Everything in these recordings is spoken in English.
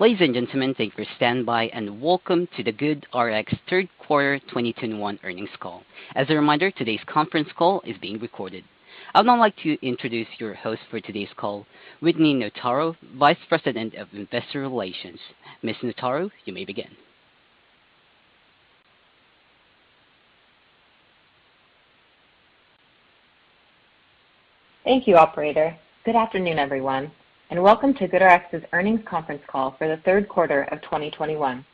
Ladies and gentlemen, thank you for standing by, and welcome to the GoodRx 3rd quarter 2021 earnings call. As a reminder, today's conference call is being recorded. I would now like to introduce your host for today's call, Whitney Notaro, Vice President of Investor Relations. Ms. Notaro, you may begin. Thank you, operator. Good afternoon, everyone, and welcome to GoodRx's earnings conference call for the 3rd quarter of 2021.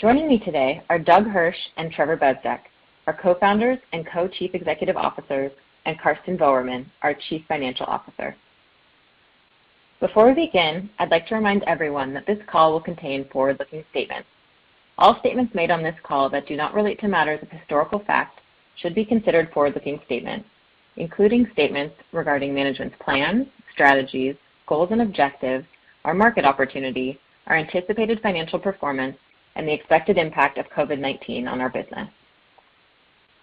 Joining me today are Doug Hirsch and Trevor Bezdek, our Co-Founders and Co-Chief Executive Officers, and Karsten Voermann, our Chief Financial Officer. Before we begin, I'd like to remind everyone that this call will contain forward-looking statements. All statements made on this call that do not relate to matters of historical fact should be considered forward-looking statements, including statements regarding management's plans, strategies, goals and objectives, our market opportunity, our anticipated financial performance, and the expected impact of COVID-19 on our business.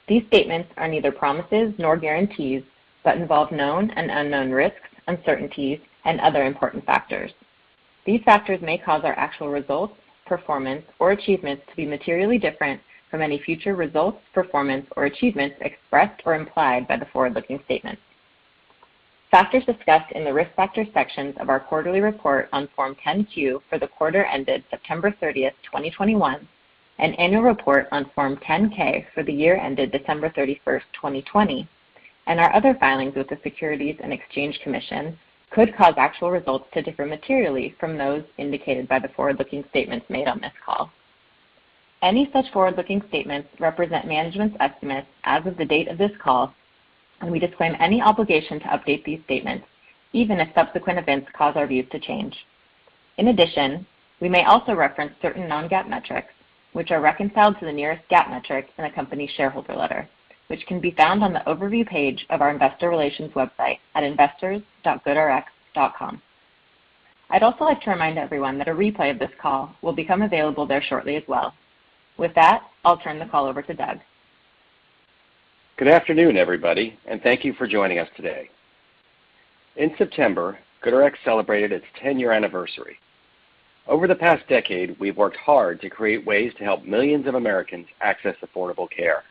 These statements are neither promises nor guarantees, but involve known and unknown risks, uncertainties, and other important factors. These factors may cause our actual results, performance, or achievements to be materially different from any future results, performance or achievements expressed or implied by the forward-looking statements. Factors discussed in the Risk Factors sections of our quarterly report on Form 10-Q for the quarter ended September 30, 2021, and annual report on Form 10-K for the year ended December 31, 2020, and our other filings with the Securities and Exchange Commission could cause actual results to differ materially from those indicated by the forward-looking statements made on this call. Any such forward-looking statements represent management's estimates as of the date of this call, and we disclaim any obligation to update these statements, even if subsequent events cause our views to change. In addition, we may also reference certain non-GAAP metrics, which are reconciled to the nearest GAAP metric in the company's shareholder letter, which can be found on the overview page of our investor relations website at investors.goodrx.com. I'd also like to remind everyone that a replay of this call will become available there shortly as well. With that, I'll turn the call over to Doug. Good afternoon, everybody, and thank you for joining us today. In September, GoodRx celebrated its 10-year anniversary. Over the past decade, we've worked hard to create ways to help millions of Americans access affordable care.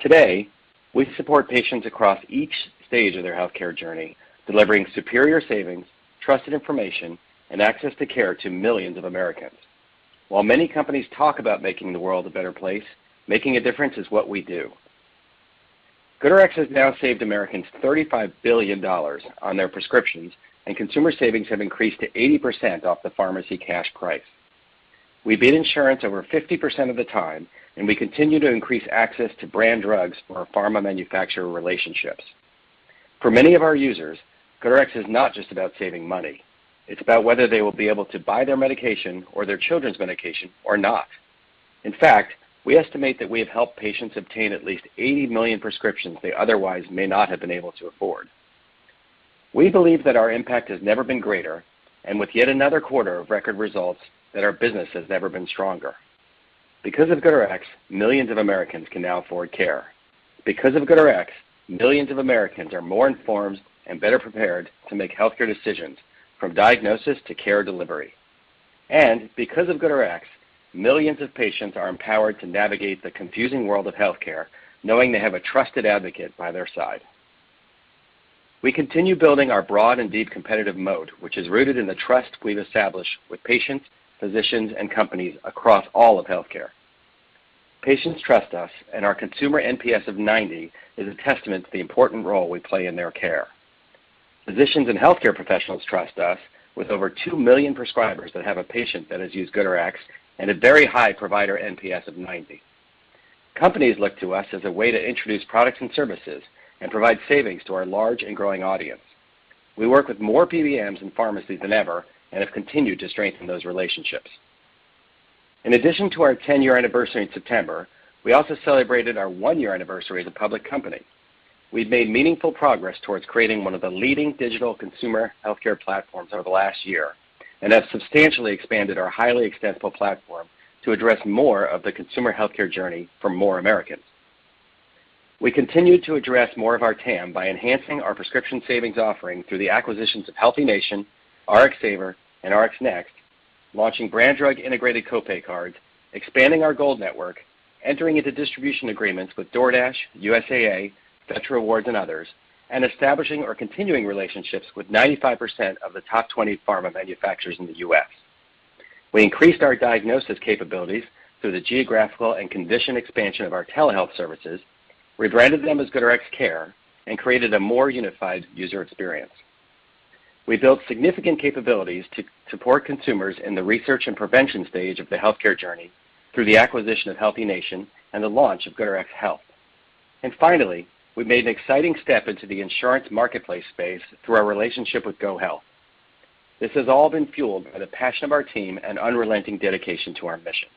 Today, we support patients across each stage of their healthcare journey, delivering superior savings, trusted information, and access to care to millions of Americans. While many companies talk about making the world a better place, making a difference is what we do. GoodRx has now saved Americans $35 billion on their prescriptions, and consumer savings have increased to 80% off the pharmacy cash price. We beat insurance over 50% of the time, and we continue to increase access to brand drugs for our pharma manufacturer relationships. For many of our users, GoodRx is not just about saving money. It's about whether they will be able to buy their medication or their children's medication or not. In fact, we estimate that we have helped patients obtain at least 80 million prescriptions they otherwise may not have been able to afford. We believe that our impact has never been greater, and with yet another quarter of record results, that our business has never been stronger. Because of GoodRx, millions of Americans can now afford care. Because of GoodRx, millions of Americans are more informed and better prepared to make healthcare decisions from diagnosis to care delivery. Because of GoodRx, millions of patients are empowered to navigate the confusing world of healthcare, knowing they have a trusted advocate by their side. We continue building our broad and deep competitive moat, which is rooted in the trust we've established with patients, physicians, and companies across all of healthcare. Patients trust us, and our consumer NPS of 90 is a testament to the important role we play in their care. Physicians and healthcare professionals trust us with over 2 million prescribers that have a patient that has used GoodRx and a very high provider NPS of 90. Companies look to us as a way to introduce products and services and provide savings to our large and growing audience. We work with more PBMs and pharmacies than ever and have continued to strengthen those relationships. In addition to our 10-year anniversary in September, we also celebrated our 1-year anniversary as a public company. We've made meaningful progress towards creating one of the leading digital consumer healthcare platforms over the last year and have substantially expanded our highly extensible platform to address more of the consumer healthcare journey for more Americans. We continue to address more of our TAM by enhancing our prescription savings offering through the acquisitions of HealthiNation, RxSaver, and RxNXT, launching brand drug integrated copay cards, expanding our Gold network, entering into distribution agreements with DoorDash, USAA, Veteran Awards, and others, and establishing or continuing relationships with 95% of the top 20 pharma manufacturers in the U.S. We increased our diagnosis capabilities through the geographical and condition expansion of our telehealth services. We've branded them as GoodRx Care and created a more unified user experience. We built significant capabilities to support consumers in the research and prevention stage of the healthcare journey through the acquisition of HealthiNation and the launch of GoodRx Health. Finally, we made an exciting step into the insurance marketplace space through our relationship with GoHealth. This has all been fueled by the passion of our team and unrelenting dedication to our mission.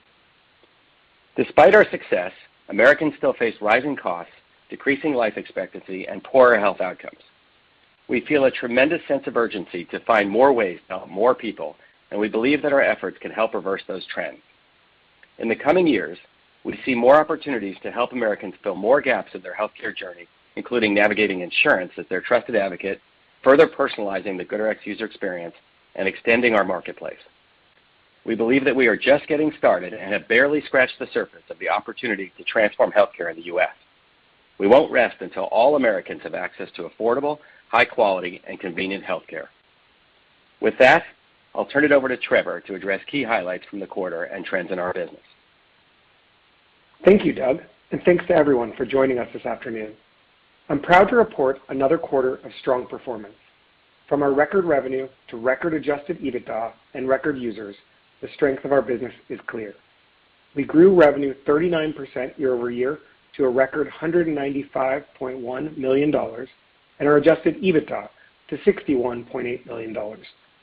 Despite our success, Americans still face rising costs, decreasing life expectancy, and poorer health outcomes. We feel a tremendous sense of urgency to find more ways to help more people, and we believe that our efforts can help reverse those trends. In the coming years, we see more opportunities to help Americans fill more gaps in their healthcare journey, including navigating insurance as their trusted advocate, further personalizing the GoodRx user experience, and extending our marketplace. We believe that we are just getting started and have barely scratched the surface of the opportunity to transform healthcare in the U.S. We won't rest until all Americans have access to affordable, high-quality, and convenient healthcare. With that, I'll turn it over to Trevor to address key highlights from the quarter and trends in our business. Thank you, Doug, and thanks to everyone for joining us this afternoon. I'm proud to report another quarter of strong performance. From our record revenue to record adjusted EBITDA and record users, the strength of our business is clear. We grew revenue 39% year-over-year to a record $195.1 million and our adjusted EBITDA to $61.8 million,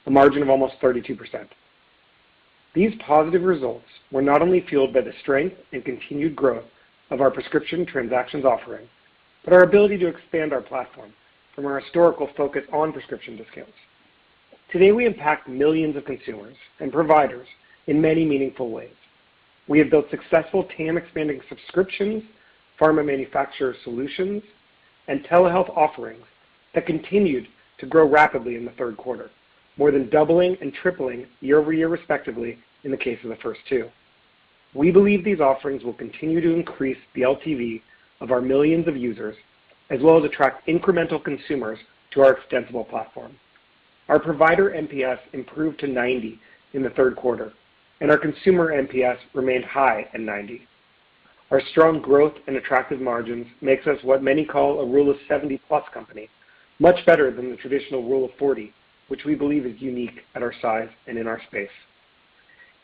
a margin of almost 32%. These positive results were not only fueled by the strength and continued growth of our prescription transactions offering, but our ability to expand our platform from our historical focus on prescription discounts. Today, we impact millions of consumers and providers in many meaningful ways. We have built successful TAM expanding subscriptions, pharma manufacturer solutions, and telehealth offerings that continued to grow rapidly in the third quarter, more than doubling and tripling year-over-year, respectively, in the case of the first two. We believe these offerings will continue to increase the LTV of our millions of users, as well as attract incremental consumers to our extensible platform. Our provider NPS improved to 90 in the 3rd quarter, and our consumer NPS remained high at 90. Our strong growth and attractive margins makes us what many call a rule of 70+ company, much better than the traditional rule of 40, which we believe is unique at our size and in our space.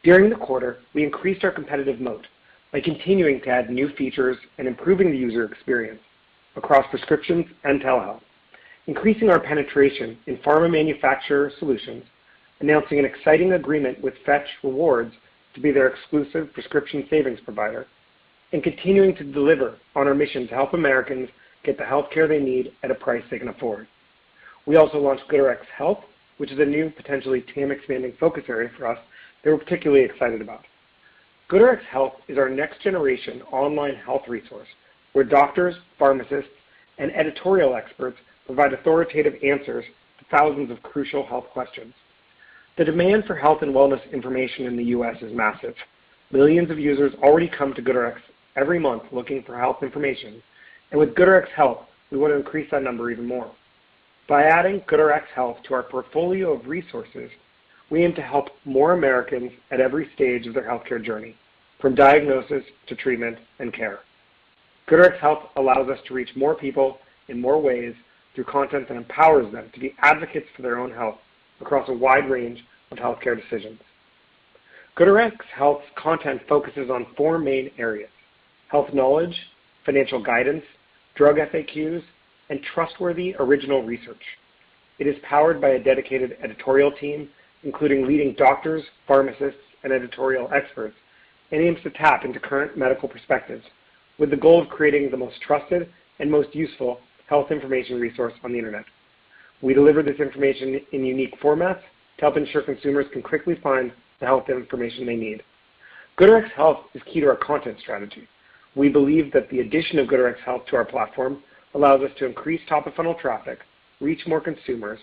During the quarter, we increased our competitive moat by continuing to add new features and improving the user experience across prescriptions and telehealth, increasing our penetration in pharma manufacturer solutions, announcing an exciting agreement with Fetch Rewards to be their exclusive prescription savings provider, and continuing to deliver on our mission to help Americans get the healthcare they need at a price they can afford. We also launched GoodRx Health, which is a new potentially TAM expanding focus area for us that we're particularly excited about. GoodRx Health is our next generation online health resource, where doctors, pharmacists, and editorial experts provide authoritative answers to thousands of crucial health questions. The demand for health and wellness information in the U.S. is massive. Millions of users already come to GoodRx every month looking for health information, and with GoodRx Health, we want to increase that number even more. By adding GoodRx Health to our portfolio of resources, we aim to help more Americans at every stage of their healthcare journey, from diagnosis to treatment and care. GoodRx Health allows us to reach more people in more ways through content that empowers them to be advocates for their own health across a wide range of healthcare decisions. GoodRx Health's content focuses on four main areas, health knowledge, financial guidance, drug FAQs, and trustworthy original research. It is powered by a dedicated editorial team, including leading doctors, pharmacists, and editorial experts, and aims to tap into current medical perspectives with the goal of creating the most trusted and most useful health information resource on the internet. We deliver this information in unique formats to help ensure consumers can quickly find the health information they need. GoodRx Health is key to our content strategy. We believe that the addition of GoodRx Health to our platform allows us to increase top-of-funnel traffic, reach more consumers,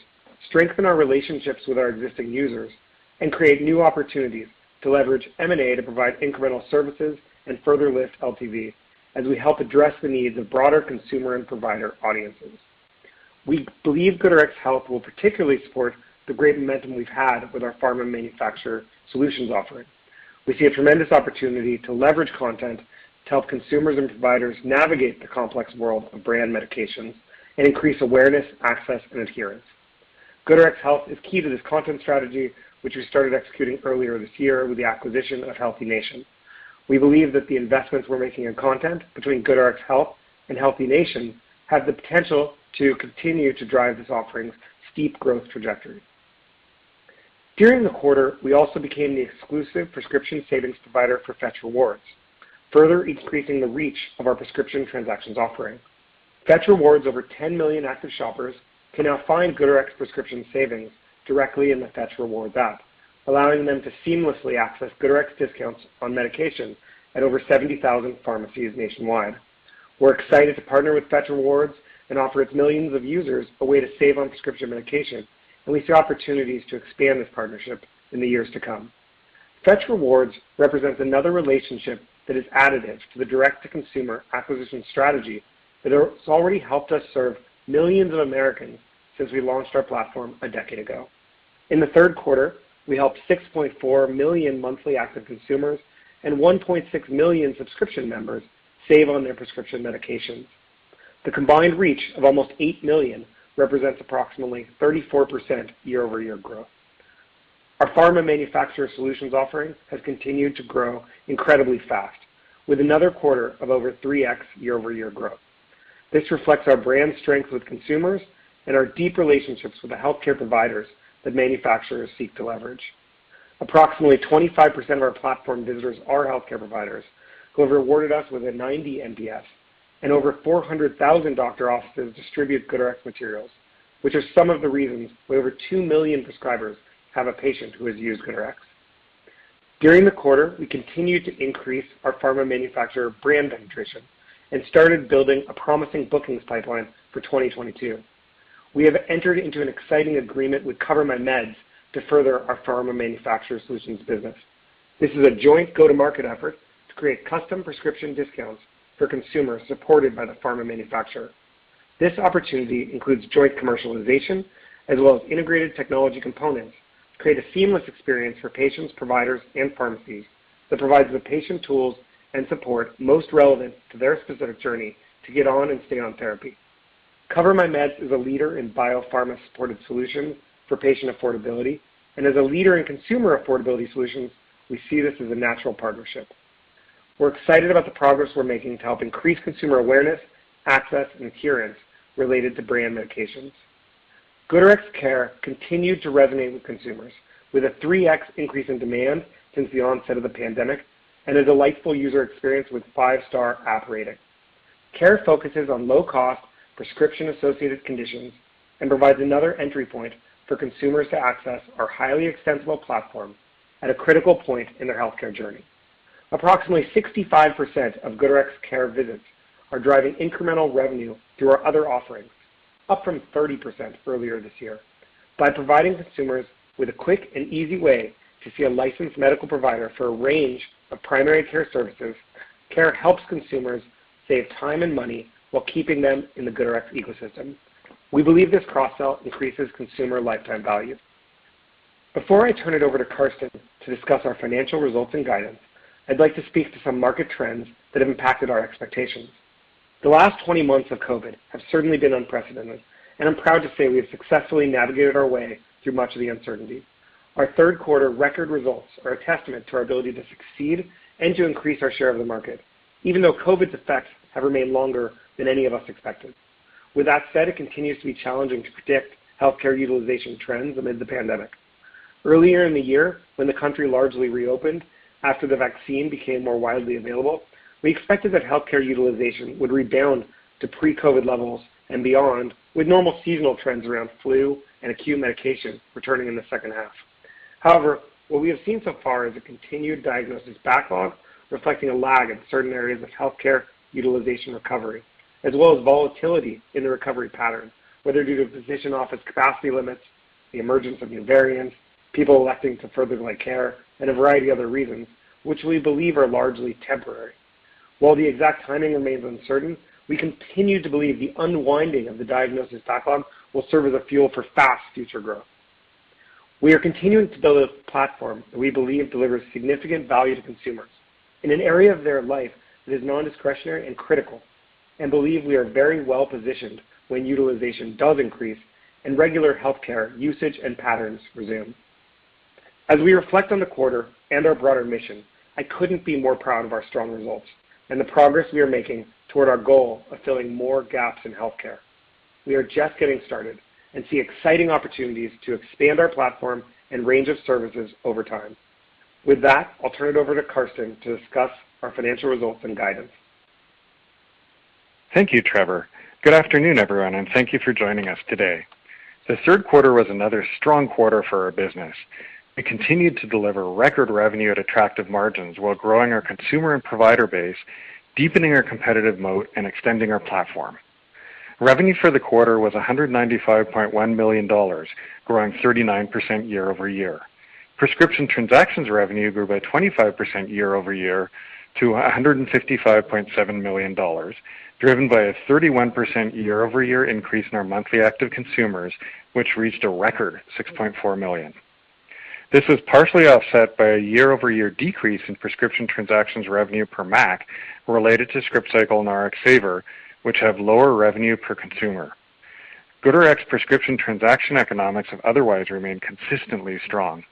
strengthen our relationships with our existing users, and create new opportunities to leverage M&A to provide incremental services and further lift LTV as we help address the needs of broader consumer and provider audiences. We believe GoodRx Health will particularly support the great momentum we've had with our pharma manufacturer solutions offering. We see a tremendous opportunity to leverage content to help consumers and providers navigate the complex world of brand medications and increase awareness, access, and adherence. GoodRx Health is key to this content strategy, which we started executing earlier this year with the acquisition of HealthiNation. We believe that the investments we're making in content between GoodRx Health and HealthiNation have the potential to continue to drive this offering's steep growth trajectory. During the quarter, we also became the exclusive prescription savings provider for Fetch Rewards, further increasing the reach of our prescription transactions offering. Fetch Rewards' over 10 million active shoppers can now find GoodRx prescription savings directly in the Fetch Rewards app, allowing them to seamlessly access GoodRx discounts on medication at over 70,000 pharmacies nationwide. We're excited to partner with Fetch Rewards and offer its millions of users a way to save on prescription medication, and we see opportunities to expand this partnership in the years to come. Fetch Rewards represents another relationship that is additive to the direct-to-consumer acquisition strategy that has already helped us serve millions of Americans since we launched our platform a decade ago. In the 3rd quarter, we helped 6.4 million monthly active consumers and 1.6 million subscription members save on their prescription medications. The combined reach of almost 8 million represents approximately 34% year-over-year growth. Our pharma manufacturer solutions offering has continued to grow incredibly fast, with another quarter of over 3x year-over-year growth. This reflects our brand strength with consumers and our deep relationships with the healthcare providers that manufacturers seek to leverage. Approximately 25% of our platform visitors are healthcare providers, who have rewarded us with a 90 NPS. Over 400,000 doctor offices distribute GoodRx materials, which are some of the reasons why over 2 million prescribers have a patient who has used GoodRx. During the quarter, we continued to increase our pharma manufacturer brand penetration and started building a promising bookings pipeline for 2022. We have entered into an exciting agreement with CoverMyMeds to further our pharma manufacturer solutions business. This is a joint go-to-market effort to create custom prescription discounts for consumers supported by the pharma manufacturer. This opportunity includes joint commercialization as well as integrated technology components to create a seamless experience for patients, providers, and pharmacies that provides the patient tools and support most relevant to their specific journey to get on and stay on therapy. CoverMyMeds is a leader in biopharma-supported solutions for patient affordability. As a leader in consumer affordability solutions, we see this as a natural partnership. We're excited about the progress we're making to help increase consumer awareness, access, and adherence related to brand medications. GoodRx Care continued to resonate with consumers with a 3x increase in demand since the onset of the pandemic and a delightful user experience with 5-star app rating. Care focuses on low cost prescription-associated conditions and provides another entry point for consumers to access our highly extensible platform at a critical point in their healthcare journey. Approximately 65% of GoodRx Care visits are driving incremental revenue through our other offerings, up from 30% earlier this year. By providing consumers with a quick and easy way to see a licensed medical provider for a range of primary care services, GoodRx Care helps consumers save time and money while keeping them in the GoodRx ecosystem. We believe this cross-sell increases consumer lifetime value. Before I turn it over to Karsten to discuss our financial results and guidance, I'd like to speak to some market trends that have impacted our expectations. The last 20 months of COVID have certainly been unprecedented, and I'm proud to say we have successfully navigated our way through much of the uncertainty. Our 3rd quarter record results are a testament to our ability to succeed and to increase our share of the market, even though COVID's effects have remained longer than any of us expected. With that said, it continues to be challenging to predict healthcare utilization trends amid the pandemic. Earlier in the year, when the country largely reopened after the vaccine became more widely available, we expected that healthcare utilization would rebound to pre-COVID levels and beyond, with normal seasonal trends around flu and acute medication returning in the 2nd half. However, what we have seen so far is a continued diagnosis backlog, reflecting a lag in certain areas of healthcare utilization recovery, as well as volatility in the recovery pattern, whether due to physician office capacity limits, the emergence of new variants, people electing to further delay care, and a variety of other reasons which we believe are largely temporary. While the exact timing remains uncertain, we continue to believe the unwinding of the diagnosis backlog will serve as a fuel for fast future growth. We are continuing to build a platform that we believe delivers significant value to consumers in an area of their life that is nondiscretionary and critical, and believe we are very well positioned when utilization does increase and regular healthcare usage and patterns resume. As we reflect on the quarter and our broader mission, I couldn't be more proud of our strong results and the progress we are making toward our goal of filling more gaps in healthcare. We are just getting started and see exciting opportunities to expand our platform and range of services over time. With that, I'll turn it over to Karsten to discuss our financial results and guidance. Thank you, Trevor. Good afternoon, everyone, and thank you for joining us today. The 3rd quarter was another strong quarter for our business. We continued to deliver record revenue at attractive margins while growing our consumer and provider base, deepening our competitive moat, and extending our platform. Revenue for the quarter was $195.1 million, growing 39% year-over-year. Prescription transactions revenue grew by 25% year-over-year to $155.7 million, driven by a 31% year-over-year increase in our monthly active consumers, which reached a record 6.4 million. This was partially offset by a year-over-year decrease in prescription transactions revenue per MAC related to Scriptcycle and RxSaver, which have lower revenue per consumer. GoodRx prescription transaction economics have otherwise remained consistently strong.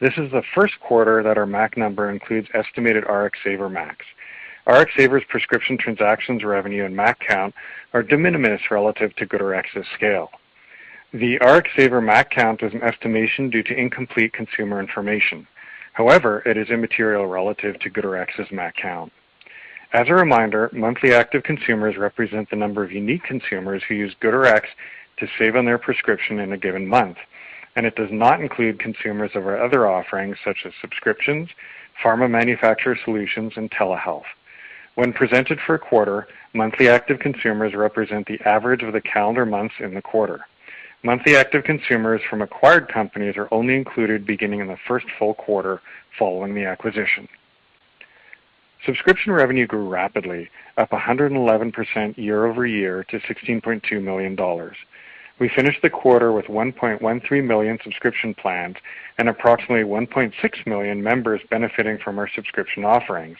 This is the 1st quarter that our MAC number includes estimated RxSaver MACs. RxSaver's prescription transactions revenue and MAC count are de minimis relative to GoodRx's scale. The RxSaver MAC count is an estimation due to incomplete consumer information. However, it is immaterial relative to GoodRx's MAC count. As a reminder, monthly active consumers represent the number of unique consumers who use GoodRx to save on their prescription in a given month, and it does not include consumers of our other offerings such as subscriptions, pharma manufacturer solutions, and telehealth. When presented for a quarter, monthly active consumers represent the average of the calendar months in the quarter. Monthly active consumers from acquired companies are only included beginning in the 1st full quarter following the acquisition. Subscription revenue grew rapidly, up 111% year-over-year to $16.2 million. We finished the quarter with 1.13 million subscription plans and approximately 1.6 million members benefiting from our subscription offerings.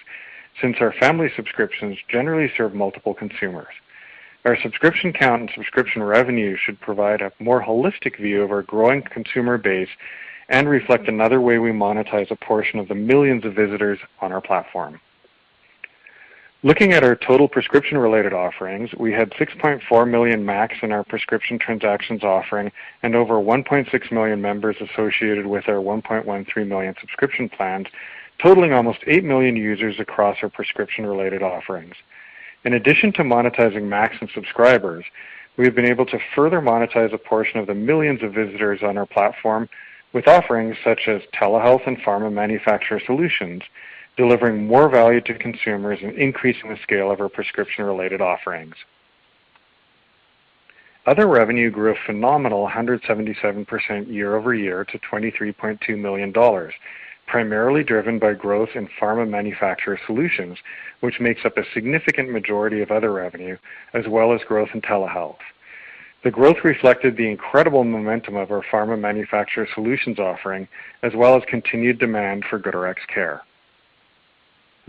Since our family subscriptions generally serve multiple consumers, our subscription count and subscription revenue should provide a more holistic view of our growing consumer base and reflect another way we monetize a portion of the millions of visitors on our platform. Looking at our total prescription-related offerings, we had 6.4 million MACs in our prescription transactions offering and over 1.6 million members associated with our 1.13 million subscription plans. Totaling almost 8 million users across our prescription-related offerings. In addition to monetizing MAUs and subscribers, we have been able to further monetize a portion of the millions of visitors on our platform with offerings such as telehealth and pharma manufacturer solutions, delivering more value to consumers and increasing the scale of our prescription-related offerings. Other revenue grew a phenomenal 177% year-over-year to $23.2 million, primarily driven by growth in pharma manufacturer solutions, which makes up a significant majority of other revenue as well as growth in telehealth. The growth reflected the incredible momentum of our pharma manufacturer solutions offering, as well as continued demand for GoodRx Care.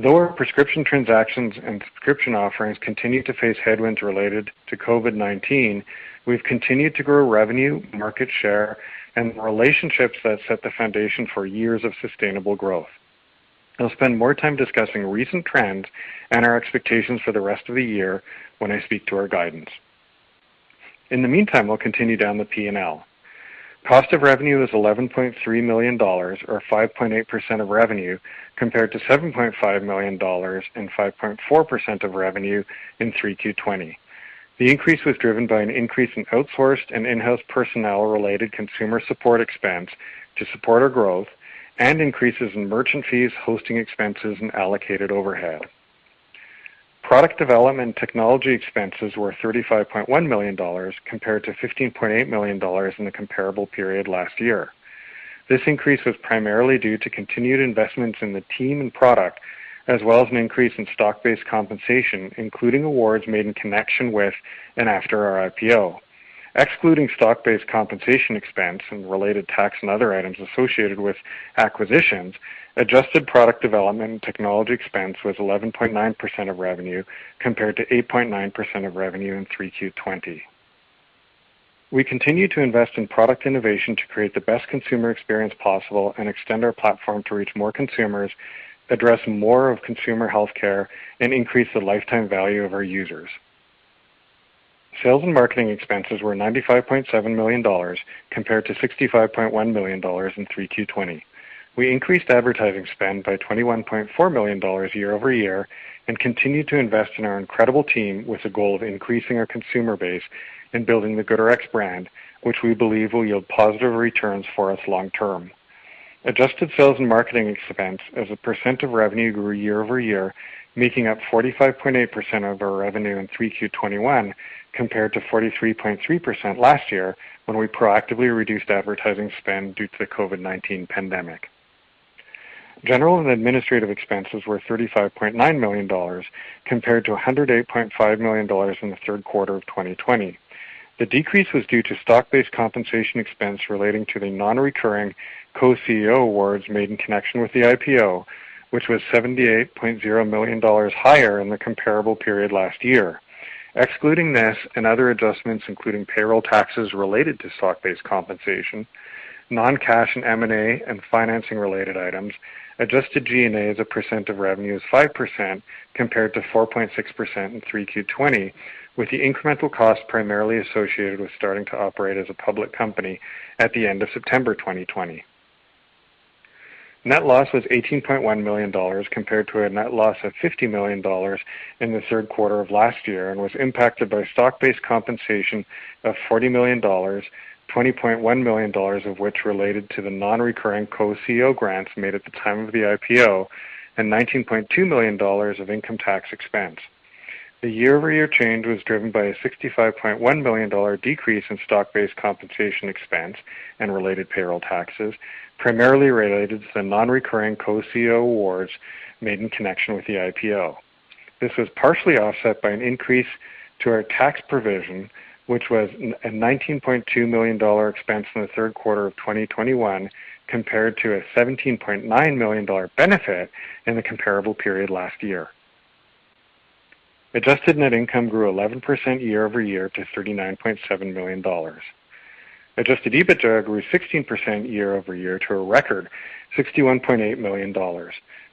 Our prescription transactions and subscription offerings continue to face headwinds related to COVID-19. We've continued to grow revenue, market share, and relationships that set the foundation for years of sustainable growth. I'll spend more time discussing recent trends and our expectations for the rest of the year when I speak to our guidance. In the meantime, we'll continue down the P&L. Cost of revenue is $11.3 million or 5.8% of revenue, compared to $7.5 million and 5.4% of revenue in 3Q20. The increase was driven by an increase in outsourced and in-house personnel related consumer support expense to support our growth and increases in merchant fees, hosting expenses, and allocated overhead. Product development and technology expenses were $35.1 million compared to $15.8 million in the comparable period last year. This increase was primarily due to continued investments in the team and product, as well as an increase in stock-based compensation, including awards made in connection with and after our IPO. Excluding stock-based compensation expense and related tax and other items associated with acquisitions, adjusted product development and technology expense was 11.9% of revenue compared to 8.9% of revenue in Q3 2020. We continue to invest in product innovation to create the best consumer experience possible and extend our platform to reach more consumers, address more of consumer healthcare, and increase the lifetime value of our users. Sales and marketing expenses were $95.7 million compared to $65.1 million in Q3 2020. We increased advertising spend by $21.4 million year-over-year and continued to invest in our incredible team with the goal of increasing our consumer base and building the GoodRx brand, which we believe will yield positive returns for us long term. Adjusted sales and marketing expense as a percent of revenue grew year-over-year, making up 45.8% of our revenue in Q3 2021 compared to 43.3% last year when we proactively reduced advertising spend due to the COVID-19 pandemic. General and administrative expenses were $35.9 million compared to $108.5 million in the 3rd quarter of 2020. The decrease was due to stock-based compensation expense relating to the non-recurring co-CEO awards made in connection with the IPO, which was $78.0 million higher in the comparable period last year. Excluding this and other adjustments, including payroll taxes related to stock-based compensation, non-cash and M&A and financing-related items, adjusted G&A as a percent of revenue is 5% compared to 4.6% in Q3 2020, with the incremental cost primarily associated with starting to operate as a public company at the end of September 2020. Net loss was $18.1 million compared to a net loss of $50 million in the 3rd quarter of last year and was impacted by stock-based compensation of $40 million, $20.1 million of which related to the non-recurring co-CEO grants made at the time of the IPO and $19.2 million of income tax expense. The year-over-year change was driven by a $65.1 million decrease in stock-based compensation expense and related payroll taxes, primarily related to the non-recurring co-CEO awards made in connection with the IPO. This was partially offset by an increase to our tax provision, which was a $19.2 million expense in the 3rd quarter of 2021 compared to a $17.9 million benefit in the comparable period last year. Adjusted net income grew 11% year-over-year to $39.7 million. Adjusted EBITDA grew 16% year-over-year to a record $61.8 million.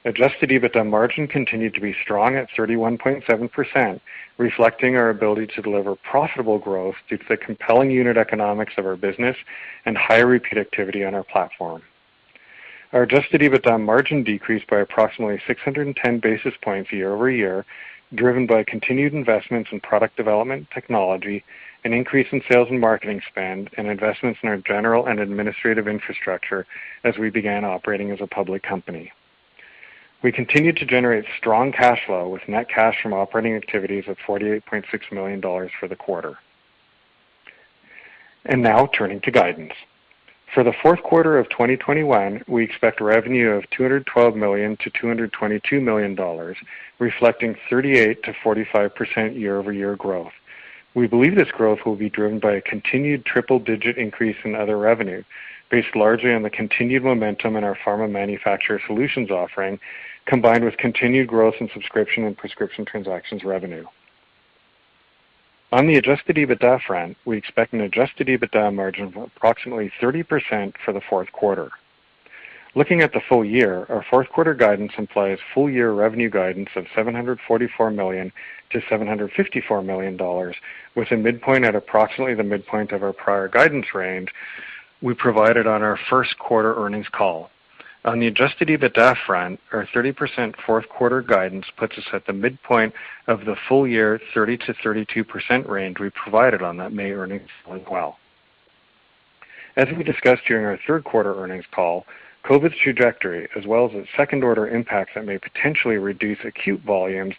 Adjusted EBITDA margin continued to be strong at 31.7%, reflecting our ability to deliver profitable growth due to the compelling unit economics of our business and higher repeat activity on our platform. Our adjusted EBITDA margin decreased by approximately 610 basis points year-over-year, driven by continued investments in product development, technology, an increase in sales and marketing spend, and investments in our general and administrative infrastructure as we began operating as a public company. We continued to generate strong cash flow with net cash from operating activities of $48.6 million for the quarter. Now turning to guidance. For the 4th quarter of 2021, we expect revenue of $212 million-$222 million, reflecting 38%-45% year-over-year growth. We believe this growth will be driven by a continued triple-digit increase in other revenue based largely on the continued momentum in our pharma manufacturer solutions offering, combined with continued growth in subscription and prescription transactions revenue. On the adjusted EBITDA front, we expect an adjusted EBITDA margin of approximately 30% for the 4th quarter. Looking at the full year, our 4th quarter guidance implies full year revenue guidance of $744 million-$754 million, with a midpoint at approximately the midpoint of our prior guidance range we provided on our 1st quarter earnings call. On the adjusted EBITDA front, our 30% 4th quarter guidance puts us at the midpoint of the full year 30%-32% range we provided on that May earnings call as well. As we discussed during our 3rd quarter earnings call, COVID's trajectory, as well as the second order impacts that may potentially reduce acute volumes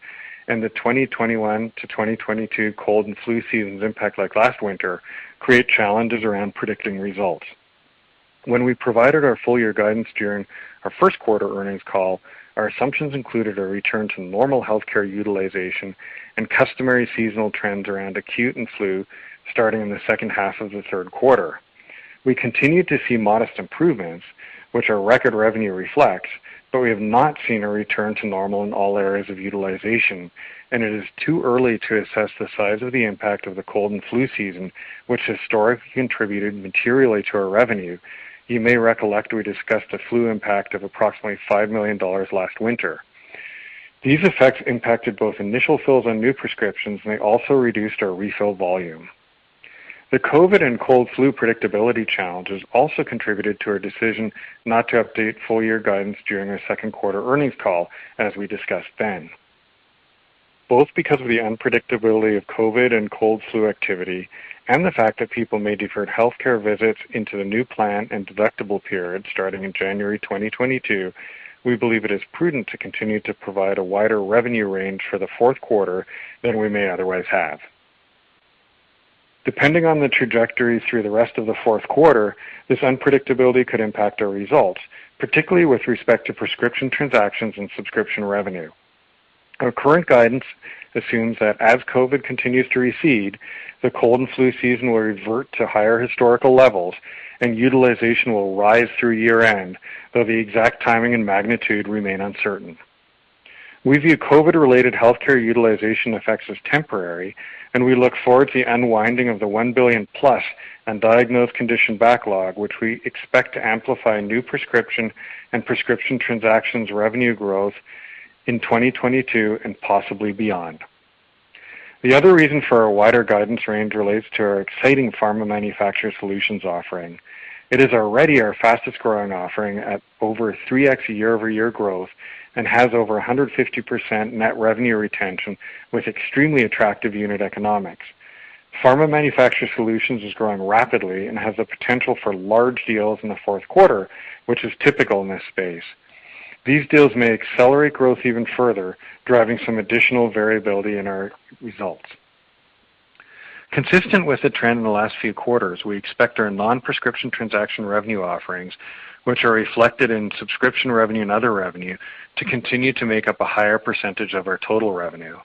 and the 2021-2022 cold and flu seasons impact like last winter, create challenges around predicting results. When we provided our full year guidance during our 1st Quarter Earnings Call, our assumptions included a return to normal healthcare utilization and customary seasonal trends around acute and flu starting in the 2nd half of the 3rd quarter. We continue to see modest improvements, which our record revenue reflects, but we have not seen a return to normal in all areas of utilization, and it is too early to assess the size of the impact of the cold and flu season, which historically contributed materially to our revenue. You may recollect we discussed a flu impact of approximately $5 million last winter. These effects impacted both initial fills on new prescriptions, and they also reduced our refill volume. The COVID and cold and flu predictability challenges also contributed to our decision not to update full year guidance during our 2nd Quarter Earnings Call, as we discussed then. Both because of the unpredictability of COVID and cold flu activity and the fact that people may defer healthcare visits into the new plan and deductible period starting in January 2022, we believe it is prudent to continue to provide a wider revenue range for the 4th quarter than we may otherwise have. Depending on the trajectory through the rest of the 4th quarter, this unpredictability could impact our results, particularly with respect to prescription transactions and subscription revenue. Our current guidance assumes that as COVID continues to recede, the cold and flu season will revert to higher historical levels and utilization will rise through year-end, though the exact timing and magnitude remain uncertain. We view COVID-related healthcare utilization effects as temporary, and we look forward to the unwinding of the 1 billion+ undiagnosed condition backlog, which we expect to amplify new prescription and prescription transactions revenue growth in 2022 and possibly beyond. The other reason for our wider guidance range relates to our exciting pharma manufacturer solutions offering. It is already our fastest growing offering at over 3x year-over-year growth and has over 150% net revenue retention with extremely attractive unit economics. Pharma manufacturer solutions is growing rapidly and has the potential for large deals in the 4th quarter, which is typical in this space. These deals may accelerate growth even further, driving some additional variability in our results. Consistent with the trend in the last few quarters, we expect our non-prescription transaction revenue offerings, which are reflected in subscription revenue and other revenue, to continue to make up a higher percentage of our total revenue.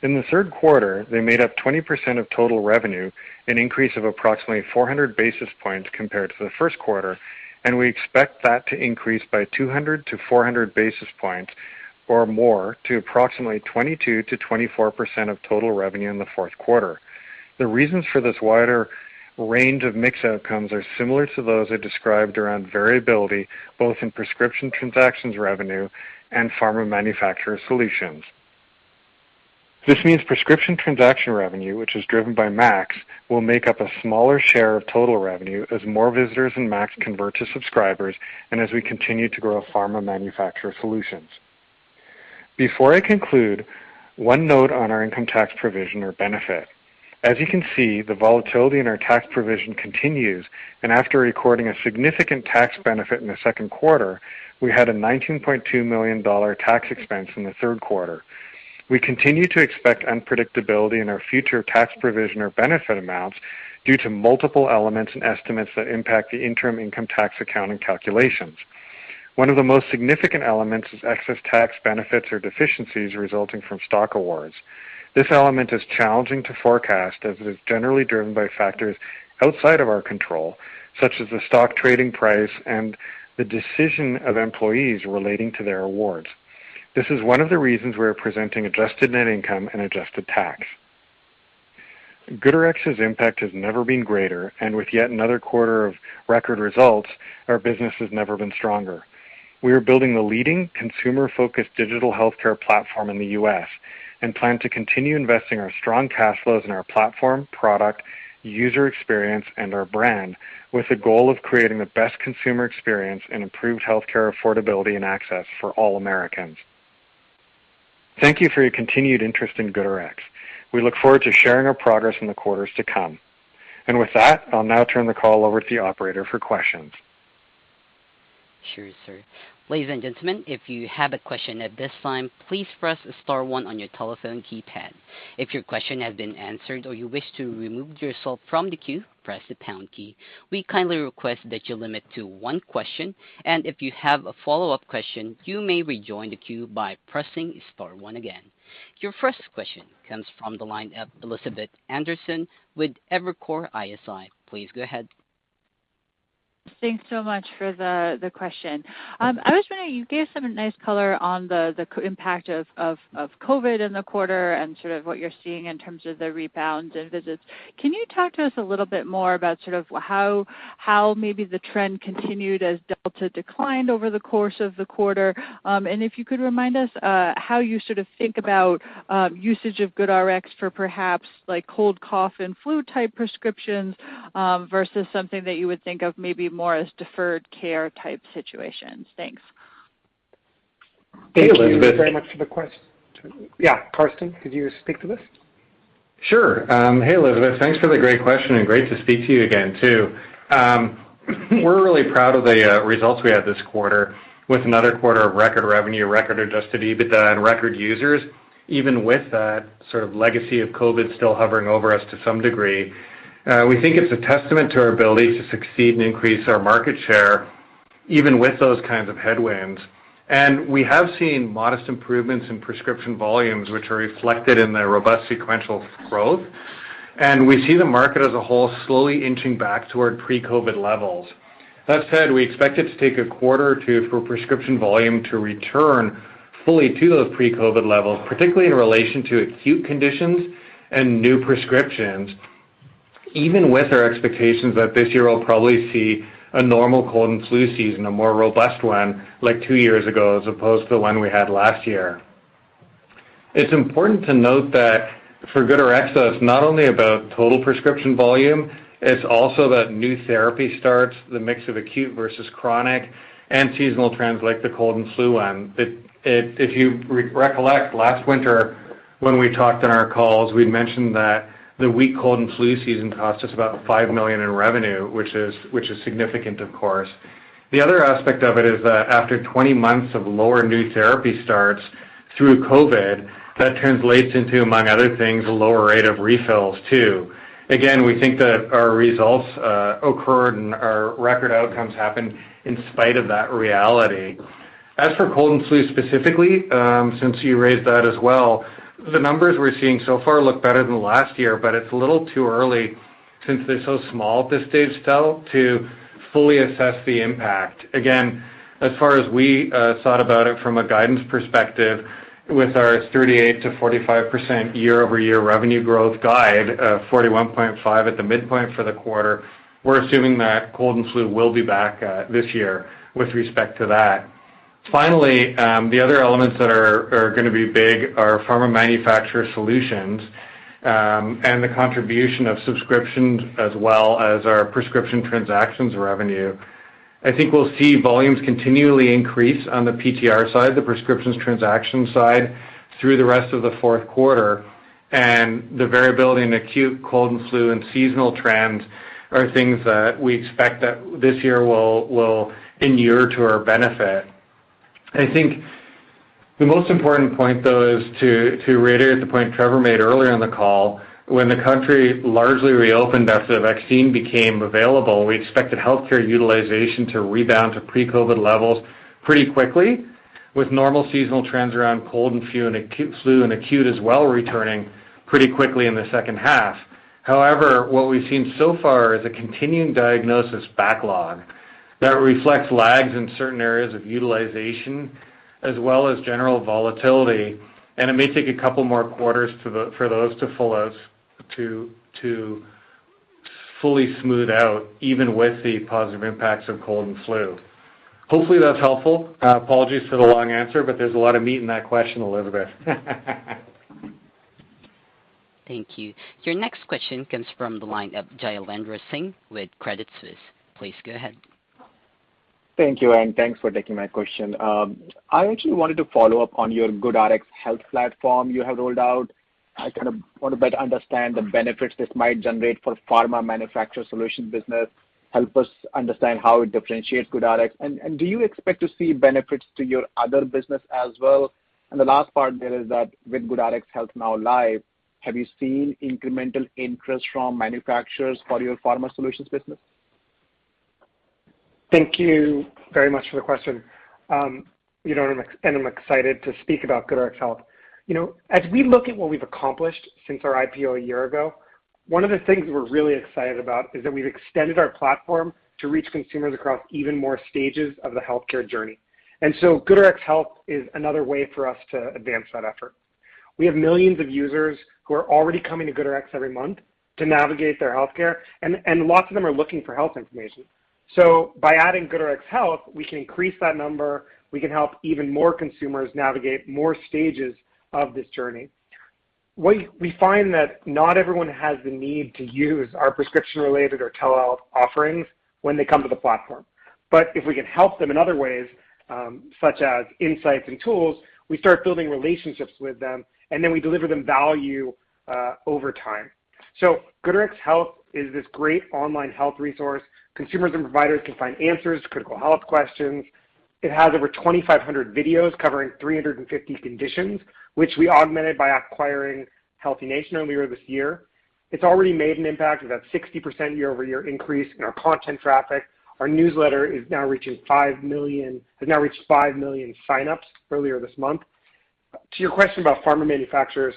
In the 3rd quarter, they made up 20% of total revenue, an increase of approximately 400 basis points compared to the 1st quarter, and we expect that to increase by 200-400 basis points or more to approximately 22%-24% of total revenue in the 4th quarter. The reasons for this wider range of mix outcomes are similar to those I described around variability, both in prescription transactions revenue and pharma manufacturer solutions. This means prescription transaction revenue, which is driven by Max, will make up a smaller share of total revenue as more visitors in Max convert to subscribers and as we continue to grow pharma manufacturer solutions. Before I conclude, one note on our income tax provision or benefit. As you can see, the volatility in our tax provision continues, and after recording a significant tax benefit in the 2nd quarter, we had a $19.2 million tax expense in the 3rd quarter. We continue to expect unpredictability in our future tax provision or benefit amounts due to multiple elements and estimates that impact the interim income tax accounting calculations. One of the most significant elements is excess tax benefits or deficiencies resulting from stock awards. This element is challenging to forecast as it is generally driven by factors outside of our control, such as the stock trading price and the decision of employees relating to their awards. This is one of the reasons we are presenting adjusted net income and adjusted tax. GoodRx's impact has never been greater, and with yet another quarter of record results, our business has never been stronger. We are building the leading consumer-focused digital healthcare platform in the U.S. and plan to continue investing our strong cash flows in our platform, product, user experience, and our brand with the goal of creating the best consumer experience and improved healthcare affordability and access for all Americans. Thank you for your continued interest in GoodRx. We look forward to sharing our progress in the quarters to come. With that, I'll now turn the call over to the operator for questions. Sure, sir. Ladies and gentlemen, if you have a question at this time, please press star one on your telephone keypad. If your question has been answered or you wish to remove yourself from the queue, press the pound key. We kindly request that you limit to one question, and if you have a follow-up question, you may rejoin the queue by pressing star one again. Your first question comes from the line of Elizabeth Anderson with Evercore ISI. Please go ahead. Thanks so much for the question. I was wondering, you gave some nice color on the impact of COVID in the quarter and sort of what you're seeing in terms of the rebound in visits. Can you talk to us a little bit more about sort of how How maybe the trend continued as Delta declined over the course of the quarter? If you could remind us how you sort of think about usage of GoodRx for perhaps like cold, cough, and flu-type prescriptions versus something that you would think of maybe more as deferred care type situations. Thanks. Hey, Elizabeth. Yeah, Karsten, could you speak to this? Sure. Hey, Elizabeth, thanks for the great question and great to speak to you again too. We're really proud of the results we had this quarter with another quarter of record revenue, record adjusted EBITDA, and record users, even with that sort of legacy of COVID still hovering over us to some degree. We think it's a testament to our ability to succeed and increase our market share even with those kinds of headwinds. We have seen modest improvements in prescription volumes, which are reflected in the robust sequential growth. We see the market as a whole slowly inching back toward pre-COVID levels. That said, we expect it to take a quarter or two for prescription volume to return fully to those pre-COVID levels, particularly in relation to acute conditions and new prescriptions, even with our expectations that this year we'll probably see a normal cold and flu season, a more robust one like 2 years ago, as opposed to the one we had last year. It's important to note that for GoodRx, though, it's not only about total prescription volume, it's also that new therapy starts, the mix of acute versus chronic and seasonal trends like the cold and flu one. If you recollect, last winter when we talked on our calls, we mentioned that the weak cold and flu season cost us about $5 million in revenue, which is significant, of course. The other aspect of it is that after 20 months of lower new therapy starts through COVID, that translates into, among other things, a lower rate of refills too. Again, we think that our results occurred and our record outcomes happened in spite of that reality. As for cold and flu specifically, since you raised that as well, the numbers we're seeing so far look better than last year, but it's a little too early since they're so small at this stage still to fully assess the impact. Again, as far as we thought about it from a guidance perspective with our 38%-45% year-over-year revenue growth guide, 41.5 at the midpoint for the quarter, we're assuming that cold and flu will be back this year with respect to that. Finally, the other elements that are gonna be big are pharma manufacturer solutions, and the contribution of subscriptions as well as our prescription transactions revenue. I think we'll see volumes continually increase on the PTR side, the prescriptions transaction side, through the rest of the 4th quarter, and the variability in acute cold and flu and seasonal trends are things that we expect that this year will inure to our benefit. I think the most important point, though, is to reiterate the point Trevor made earlier in the call, when the country largely reopened as the vaccine became available, we expected healthcare utilization to rebound to pre-COVID levels pretty quickly with normal seasonal trends around cold and flu and acute flu and acute as well returning pretty quickly in the second half. However, what we've seen so far is a continuing diagnosis backlog that reflects lags in certain areas of utilization as well as general volatility. It may take a couple more quarters for those to fully smooth out, even with the positive impacts of cold and flu. Hopefully, that's helpful. Apologies for the long answer, but there's a lot of meat in that question, Elizabeth. Thank you. Your next question comes from the line of Jailendra Singh with Credit Suisse. Please go ahead. Thank you, and thanks for taking my question. I actually wanted to follow up on your GoodRx Health platform you have rolled out. I kind of want to better understand the benefits this might generate for pharma manufacturer solution business, help us understand how it differentiates GoodRx. Do you expect to see benefits to your other business as well? The last part there is that with GoodRx Health now live, have you seen incremental interest from manufacturers for your pharma solutions business? Thank you very much for the question. You know, I'm excited to speak about GoodRx Health. You know, as we look at what we've accomplished since our IPO a year ago, one of the things we're really excited about is that we've extended our platform to reach consumers across even more stages of the healthcare journey. GoodRx Health is another way for us to advance that effort. We have millions of users who are already coming to GoodRx every month to navigate their healthcare and lots of them are looking for health information. By adding GoodRx Health, we can increase that number, we can help even more consumers navigate more stages of this journey. We find that not everyone has the need to use our prescription-related or telehealth offerings when they come to the platform. If we can help them in other ways, such as insights and tools, we start building relationships with them, and then we deliver them value over time. GoodRx Health is this great online health resource. Consumers and providers can find answers to critical health questions. It has over 2,500 videos covering 350 conditions, which we augmented by acquiring HealthiNation earlier this year. It's already made an impact. We've had 60% year-over-year increase in our content traffic. Our newsletter has now reached 5 million signups earlier this month. To your question about pharma manufacturers,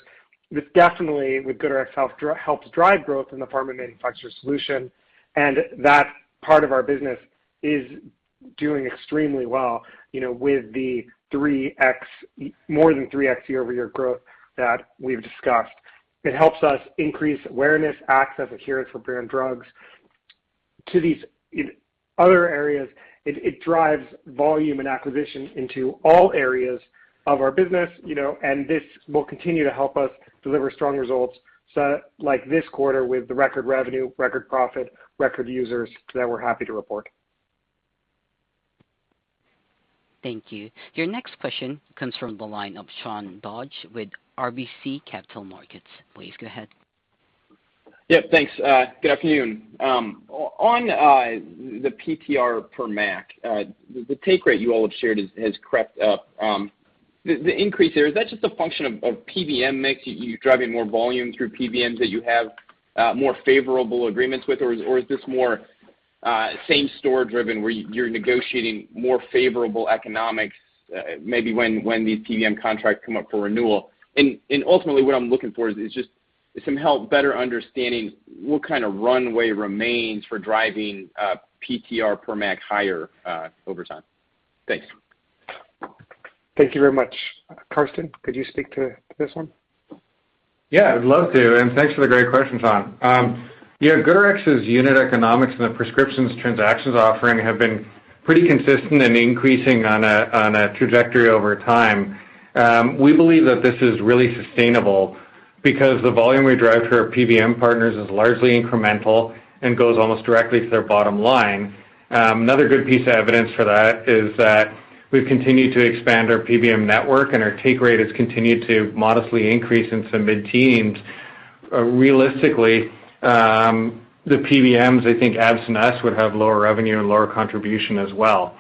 this definitely with GoodRx Health helps drive growth in the pharma manufacturer solution, and that part of our business is doing extremely well, you know, with more than 3x year-over-year growth that we've discussed. It helps us increase awareness, access, adherence for brand drugs to these other areas. It drives volume and acquisition into all areas of our business, you know, and this will continue to help us deliver strong results, so like this quarter with the record revenue, record profit, record users that we're happy to report. Thank you. Your next question comes from the line of Sean Dodge with RBC Capital Markets. Please go ahead. Yeah, thanks. Good afternoon. On the PTR per MAC, the take rate you all have shared has crept up. The increase there, is that just a function of PBM mix, you driving more volume through PBMs that you have more favorable agreements with, or is this more same store driven, where you're negotiating more favorable economics, maybe when these PBM contracts come up for renewal? Ultimately, what I'm looking for is just some help better understanding what kind of runway remains for driving PTR per MAC higher over time. Thanks. Thank you very much. Karsten, could you speak to this one? Yeah, I'd love to, and thanks for the great question, Sean. You know, GoodRx's unit economics and the prescriptions transactions offering have been pretty consistent and increasing on a trajectory over time. We believe that this is really sustainable because the volume we drive for our PBM partners is largely incremental and goes almost directly to their bottom line. Another good piece of evidence for that is that we've continued to expand our PBM network, and our take rate has continued to modestly increase in some mid-teens. Realistically, the PBMs, I think, absent us would have lower revenue and lower contribution as well.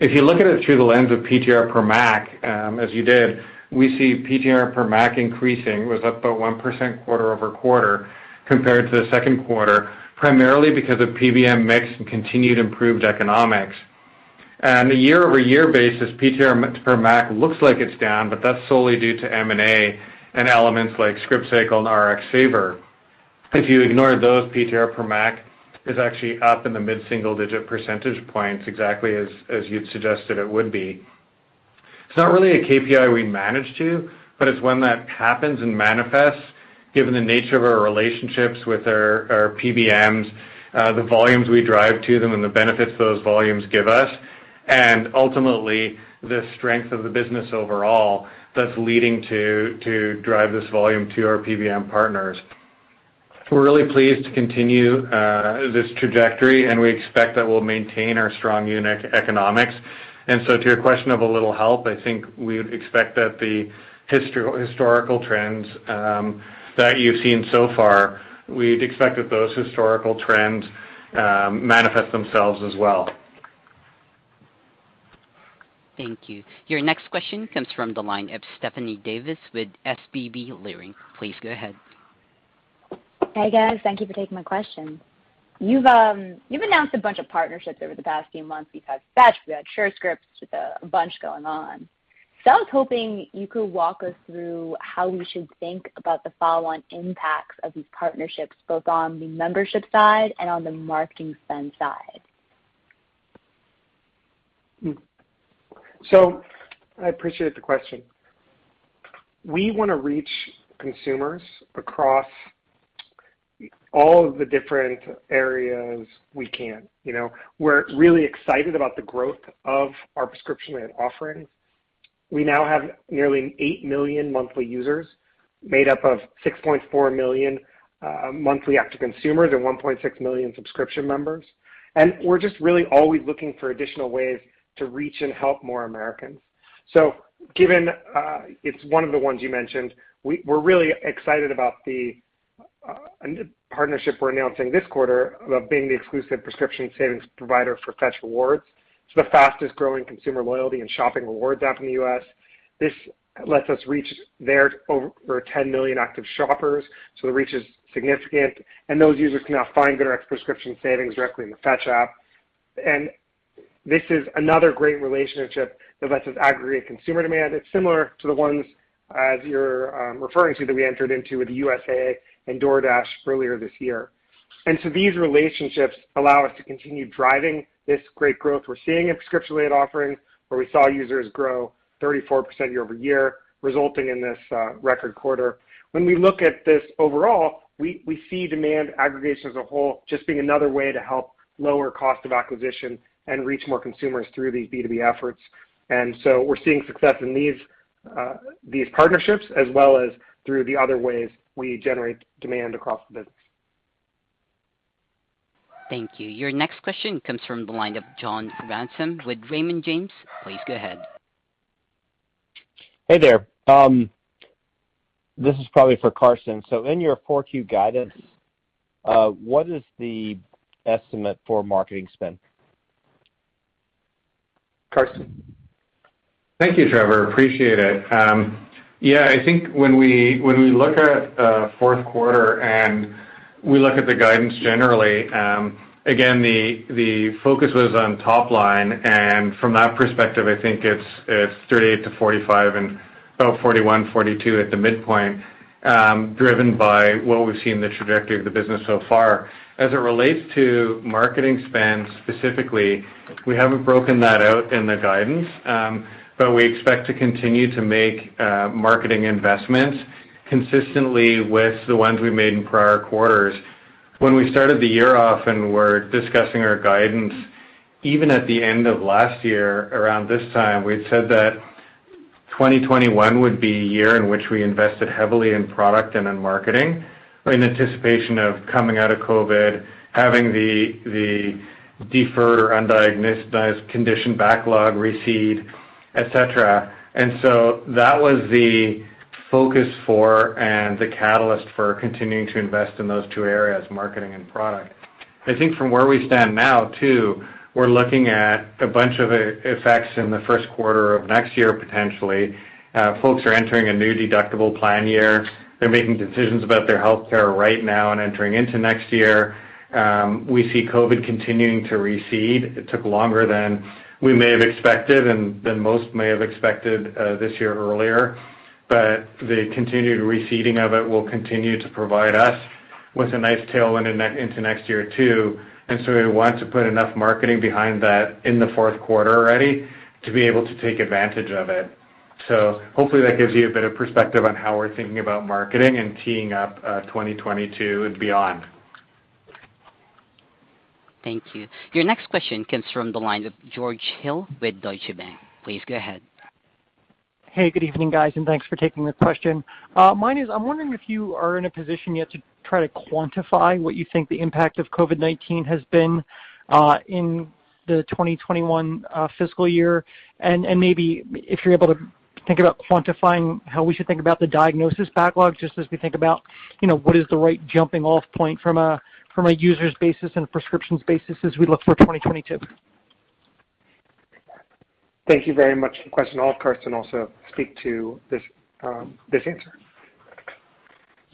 If you look at it through the lens of PTR per MAC, as you did, we see PTR per MAC increasing. It was up about 1% quarter-over-quarter compared to the 2nd quarter, primarily because of PBM mix and continued improved economics. On a year-over-year basis, PTR per MAC looks like it's down, but that's solely due to M&A and elements like ScriptSave and RxSaver. If you ignore those, PTR per MAC is actually up in the mid-single digit percentage points exactly as you'd suggested it would be. It's not really a KPI we manage to, but it's one that happens and manifests given the nature of our relationships with our PBMs, the volumes we drive to them and the benefits those volumes give us, and ultimately, the strength of the business overall that's leading to drive this volume to our PBM partners. We're really pleased to continue this trajectory, and we expect that we'll maintain our strong unit economics. To your question of a little help, I think we would expect that the historical trends that you've seen so far manifest themselves as well. Thank you. Your next question comes from the line of Stephanie Davis with SVB Leerink. Please go ahead. Hey, guys. Thank you for taking my question. You've announced a bunch of partnerships over the past few months. We've had Fetch, we had Surescripts, a bunch going on. I was hoping you could walk us through how we should think about the follow-on impacts of these partnerships, both on the membership side and on the marketing spend side. I appreciate the question. We wanna reach consumers across all of the different areas we can, you know? We're really excited about the growth of our prescription aid offerings. We now have nearly 8 million monthly users made up of 6.4 million monthly active consumers and 1.6 million subscription members. We're just really always looking for additional ways to reach and help more Americans. Given, it's one of the ones you mentioned, we're really excited about the partnership we're announcing this quarter of being the exclusive prescription savings provider for Fetch Rewards. It's the fastest-growing consumer loyalty and shopping rewards app in the U.S. This lets us reach their over 10 million active shoppers, so the reach is significant, and those users can now find GoodRx prescription savings directly in the Fetch app. This is another great relationship that lets us aggregate consumer demand. It's similar to the ones, as you're referring to, that we entered into with USAA and DoorDash earlier this year. These relationships allow us to continue driving this great growth we're seeing in prescription aid offering, where we saw users grow 34% year-over-year, resulting in this record quarter. When we look at this overall, we see demand aggregation as a whole, just being another way to help lower cost of acquisition and reach more consumers through these B2B efforts. We're seeing success in these partnerships as well as through the other ways we generate demand across the business. Thank you. Your next question comes from the line of John Ransom with Raymond James. Please go ahead. Hey there. This is probably for Karsten. In your Q4 guidance, what is the estimate for marketing spend? Karsten? Thank you, Trevor. Appreciate it. Yeah, I think when we look at 4th quarter and the guidance generally, again, the focus was on top line, and from that perspective, I think it's 41%-42% at the midpoint, driven by what we've seen the trajectory of the business so far. As it relates to marketing spend specifically, we haven't broken that out in the guidance, but we expect to continue to make marketing investments consistently with the ones we made in prior quarters. When we started the year off and were discussing our guidance, even at the end of last year around this time, we had said that 2021 would be a year in which we invested heavily in product and in marketing in anticipation of coming out of COVID, having the deferred or undiagnosed condition backlog recede, et cetera. That was the focus and the catalyst for continuing to invest in those 2 areas, marketing and product. I think from where we stand now too, we're looking at a bunch of effects in the first quarter of next year, potentially. Folks are entering a new deductible plan year. They're making decisions about their healthcare right now and entering into next year. We see COVID continuing to recede. It took longer than we may have expected and than most may have expected, earlier this year. The continued receding of it will continue to provide us with a nice tailwind in that, into next year too. We want to put enough marketing behind that in the 4th quarter already to be able to take advantage of it. Hopefully that gives you a bit of perspective on how we're thinking about marketing and teeing up 2022 and beyond. Thank you. Your next question comes from the line of George Hill with Deutsche Bank. Please go ahead. Hey, good evening, guys, and thanks for taking the question. Mine is, I'm wondering if you are in a position yet to try to quantify what you think the impact of COVID-19 has been in the 2021 fiscal year. Maybe if you're able to think about quantifying how we should think about the diagnosis backlog, just as we think about, you know, what is the right jumping off point from a user's basis and prescriptions basis as we look for 2022. Thank you very much for the question. I'll, of course, can also speak to this answer.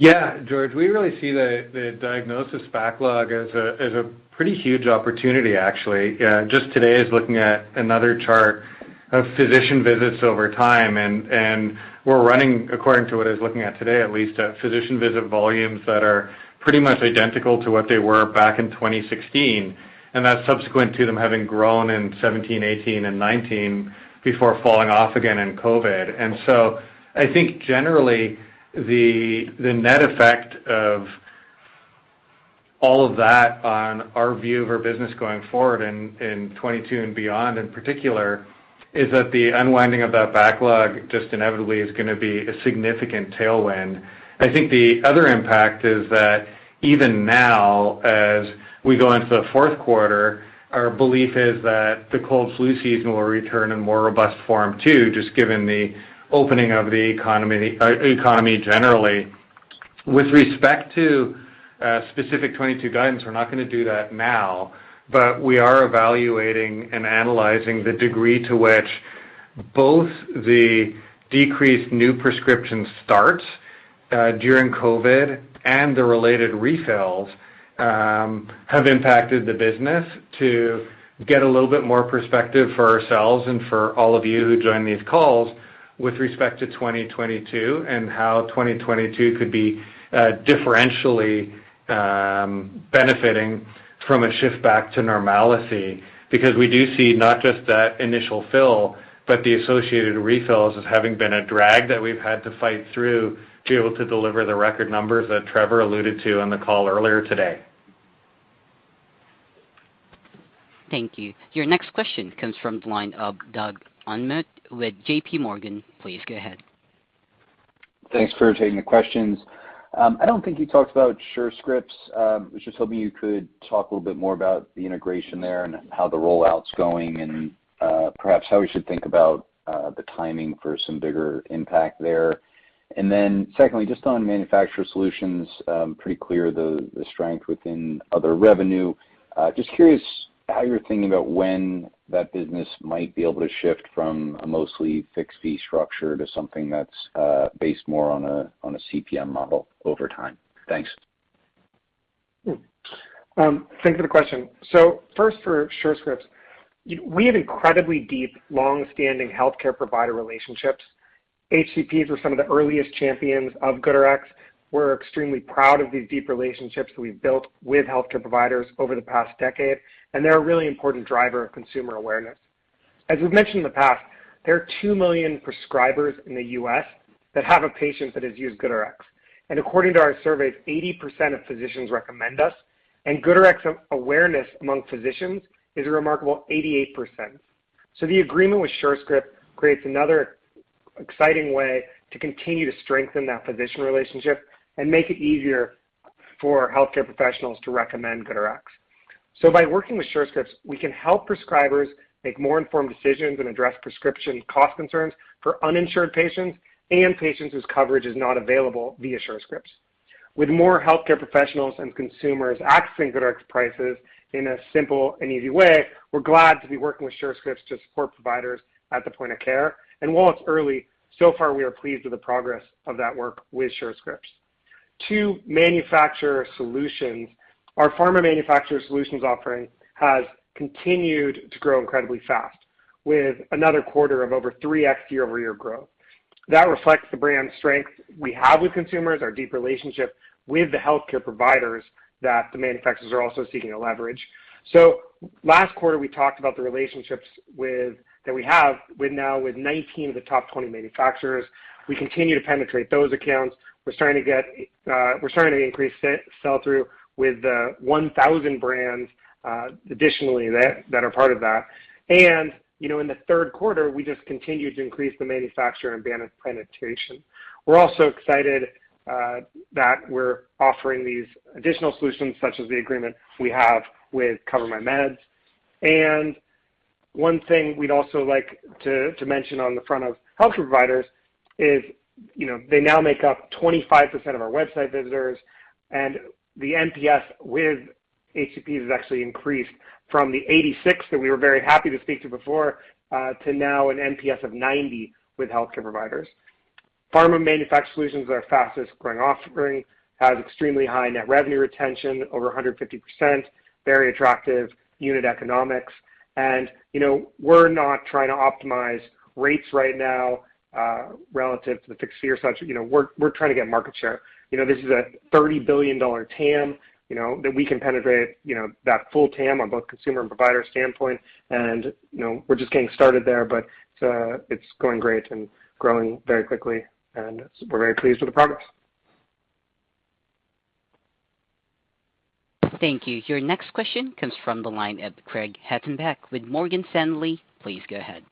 Yeah, George, we really see the diagnosis backlog as a pretty huge opportunity, actually. Just today I was looking at another chart of physician visits over time, and we're running according to what I was looking at today, at least, physician visit volumes that are pretty much identical to what they were back in 2016. That's subsequent to them having grown in 2017, 2018, and 2019 before falling off again in COVID. I think generally the net effect of all of that on our view of our business going forward in 2022 and beyond in particular is that the unwinding of that backlog just inevitably is gonna be a significant tailwind. I think the other impact is that even now, as we go into the 4th quarter, our belief is that the cold flu season will return in more robust form too, just given the opening of the economy generally. With respect to specific 2022 guidance, we're not gonna do that now, but we are evaluating and analyzing the degree to which both the decreased new prescription starts during COVID and the related refills have impacted the business to get a little bit more perspective for ourselves and for all of you who join these calls with respect to 2022 and how 2022 could be differentially benefiting from a shift back to normalcy. We do see not just that initial fill, but the associated refills as having been a drag that we've had to fight through to be able to deliver the record numbers that Trevor alluded to on the call earlier today. Thank you. Your next question comes from the line of Doug Anmuth with J.P. Morgan. Please go ahead. Thanks for taking the questions. I don't think you talked about Surescripts. I was just hoping you could talk a little bit more about the integration there and how the rollout's going and, perhaps how we should think about the timing for some bigger impact there. Secondly, just on manufacturer solutions, pretty clear the strength within other revenue. Just curious how you're thinking about when that business might be able to shift from a mostly fixed fee structure to something that's based more on a CPM model over time. Thanks. Thanks for the question. First for Surescripts, we have incredibly deep, long-standing healthcare provider relationships. HCPs were some of the earliest champions of GoodRx. We're extremely proud of these deep relationships that we've built with healthcare providers over the past decade, and they're a really important driver of consumer awareness. As we've mentioned in the past, there are 2 million prescribers in the U.S. that have a patient that has used GoodRx. According to our surveys, 80% of physicians recommend us, and GoodRx awareness among physicians is a remarkable 88%. The agreement with Surescripts creates another exciting way to continue to strengthen that physician relationship and make it easier for healthcare professionals to recommend GoodRx. By working with Surescripts, we can help prescribers make more informed decisions and address prescription cost concerns for uninsured patients and patients whose coverage is not available via Surescripts. With more healthcare professionals and consumers accessing GoodRx prices in a simple and easy way, we're glad to be working with Surescripts to support providers at the point of care. While it's early, so far we are pleased with the progress of that work with Surescripts. Our pharma manufacturer solutions offering has continued to grow incredibly fast with another quarter of over 3x year-over-year growth. That reflects the brand strength we have with consumers, our deep relationship with the healthcare providers that the manufacturers are also seeking to leverage. Last quarter, we talked about the relationships we have with 19 of the top 20 manufacturers. We continue to penetrate those accounts. We're starting to increase sell-through with 1,000 brands additionally that are part of that. You know, in the 3rd quarter, we just continued to increase the manufacturer and brand penetration. We're also excited that we're offering these additional solutions, such as the agreement we have with CoverMyMeds. One thing we'd also like to mention on the front of healthcare providers is, you know, they now make up 25% of our website visitors, and the NPS with HCP has actually increased from the 86 that we were very happy to speak to before, to now an NPS of 90 with healthcare providers. Pharma manufacturer solutions is our fastest growing offering, has extremely high net revenue retention, over 150%, very attractive unit economics. You know, we're not trying to optimize rates right now, relative to the fixed fee or such. You know, we're trying to get market share. You know, this is a $30 billion TAM, you know, that we can penetrate, you know, that full TAM on both consumer and provider standpoint. You know, we're just getting started there, but it's going great and growing very quickly, and we're very pleased with the progress. Thank you. Your next question comes from the line of Craig Hettenbach with Morgan Stanley. Please go ahead.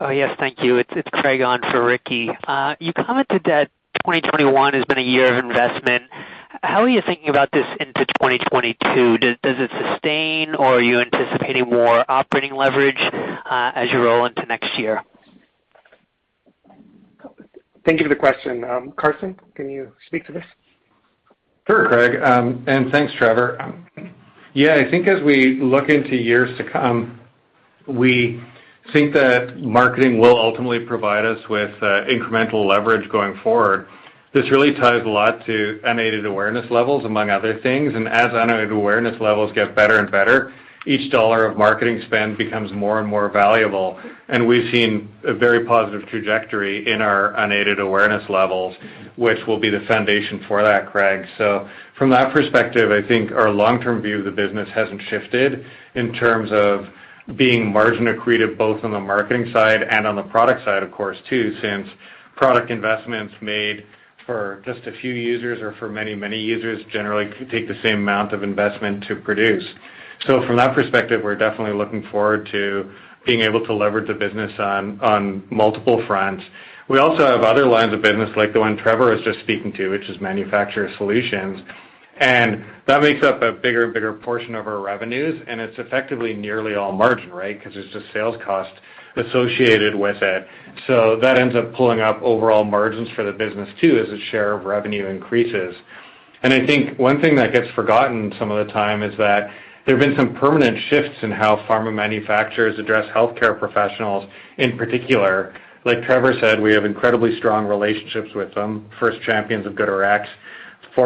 Oh, yes. Thank you. It's Craig Hettenbach on for Ricky Goldwasser. You commented that 2021 has been a year of investment. How are you thinking about this into 2022? Does it sustain or are you anticipating more operating leverage as you roll into next year? Thank you for the question. Karsten, can you speak to this? Sure, Craig, and thanks, Trevor. Yeah. I think as we look into years to come, we think that marketing will ultimately provide us with, incremental leverage going forward. This really ties a lot to unaided awareness levels among other things, and as unaided awareness levels get better and better, each dollar of marketing spend becomes more and more valuable. We've seen a very positive trajectory in our unaided awareness levels, which will be the foundation for that, Craig. From that perspective, I think our long-term view of the business hasn't shifted in terms of being margin accretive, both on the marketing side and on the product side, of course, too, since product investments made for just a few users or for many, many users generally could take the same amount of investment to produce. From that perspective, we're definitely looking forward to being able to leverage the business on multiple fronts. We also have other lines of business like the one Trevor was just speaking to, which is manufacturer solutions. That makes up a bigger and bigger portion of our revenues, and it's effectively nearly all margin, right? 'Cause there's just sales cost associated with it. That ends up pulling up overall margins for the business too, as the share of revenue increases. I think one thing that gets forgotten some of the time is that there have been some permanent shifts in how pharma manufacturers address healthcare professionals in particular. Like Trevor said, we have incredibly strong relationships with them. First champions of GoodRx.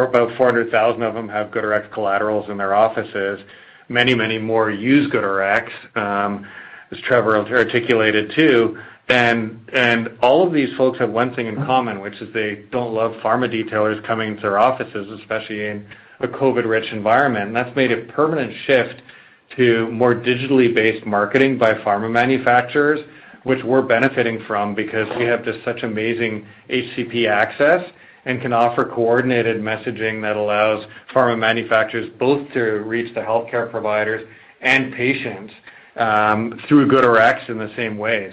About 400,000 of them have GoodRx collaterals in their offices. Many, many more use GoodRx, as Trevor articulated too. All of these folks have one thing in common, which is they don't love pharma detailers coming into their offices, especially in a COVID-rich environment. That's made a permanent shift to more digitally based marketing by pharma manufacturers, which we're benefiting from because we have just such amazing HCP access and can offer coordinated messaging that allows pharma manufacturers both to reach the healthcare providers and patients through GoodRx in the same way.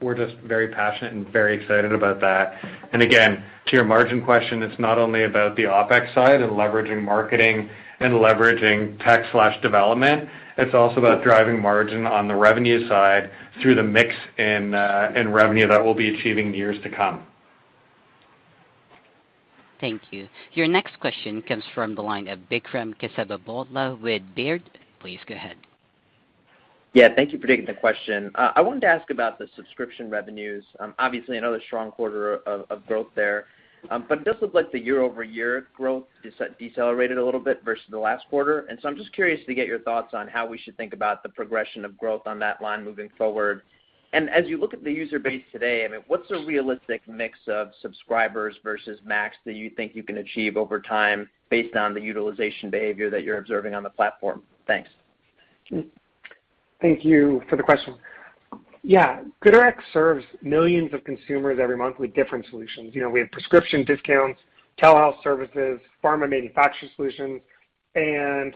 We're just very passionate and very excited about that. Again, to your margin question, it's not only about the OpEx side and leveraging marketing and leveraging tech/development. It's also about driving margin on the revenue side through the mix in revenue that we'll be achieving in the years to come. Thank you. Your next question comes from the line of Vikram Kesavabhotla with Baird. Please go ahead. Yeah. Thank you for taking the question. I wanted to ask about the subscription revenues. Obviously another strong quarter of growth there. It does look like the year-over-year growth decelerated a little bit versus the last quarter. I'm just curious to get your thoughts on how we should think about the progression of growth on that line moving forward. As you look at the user base today, I mean, what's a realistic mix of subscribers versus max that you think you can achieve over time based on the utilization behavior that you're observing on the platform? Thanks. Thank you for the question. Yeah. GoodRx serves millions of consumers every month with different solutions. You know, we have prescription discounts, telehealth services, pharma manufacturer solutions, and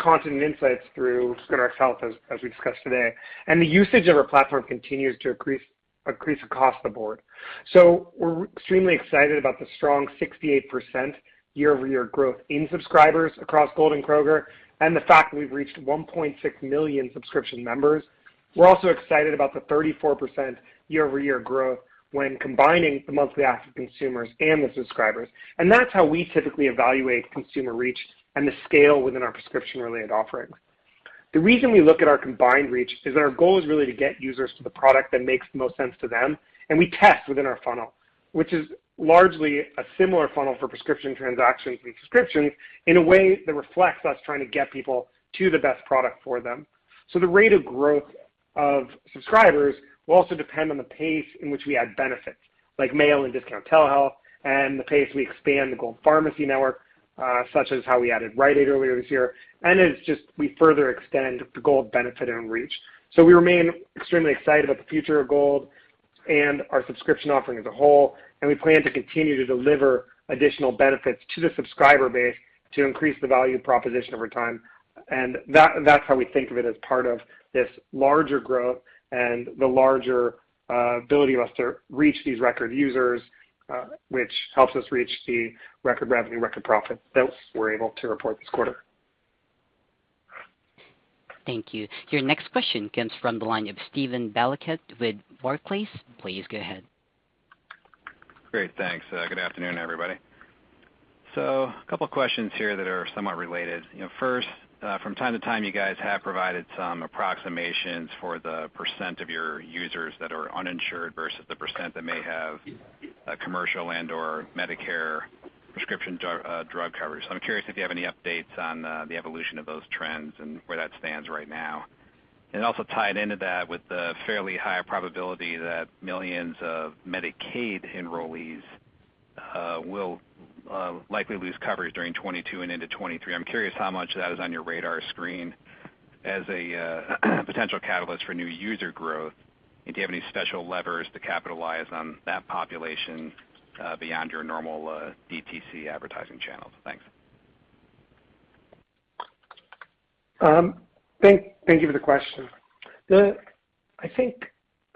content and insights through GoodRx Health, as we discussed today. The usage of our platform continues to increase across the board. We're extremely excited about the strong 68% year-over-year growth in subscribers across Gold and Kroger and the fact that we've reached 1.6 million subscription members. We're also excited about the 34% year-over-year growth when combining the monthly active consumers and the subscribers. That's how we typically evaluate consumer reach and the scale within our prescription-related offerings. The reason we look at our combined reach is that our goal is really to get users to the product that makes the most sense to them. We test within our funnel, which is largely a similar funnel for prescription transactions and prescriptions in a way that reflects us trying to get people to the best product for them. The rate of growth of subscribers will also depend on the pace in which we add benefits, like mail and discount telehealth, and the pace we expand the Gold Pharmacy network, such as how we added Rite Aid earlier this year. It's just we further extend the Gold benefit and reach. We remain extremely excited about the future of Gold and our subscription offering as a whole, and we plan to continue to deliver additional benefits to the subscriber base to increase the value proposition over time. That's how we think of it as part of this larger growth and the larger ability of us to reach these record users, which helps us reach the record revenue, record profit that we're able to report this quarter. Thank you. Your next question comes from the line of Steven Valiquette with Barclays. Please go ahead. Great. Thanks. Good afternoon, everybody. A couple of questions here that are somewhat related. You know, first, from time to time, you guys have provided some approximations for the % of your users that are uninsured versus the % that may have a commercial and/or Medicare prescription drug coverage. I'm curious if you have any updates on the evolution of those trends and where that stands right now. Also tied into that with the fairly high probability that millions of Medicaid enrollees will likely lose coverage during 2022 and into 2023. I'm curious how much of that is on your radar screen as a potential catalyst for new user growth. Do you have any special levers to capitalize on that population beyond your normal DTC advertising channels? Thanks. Thank you for the question. I think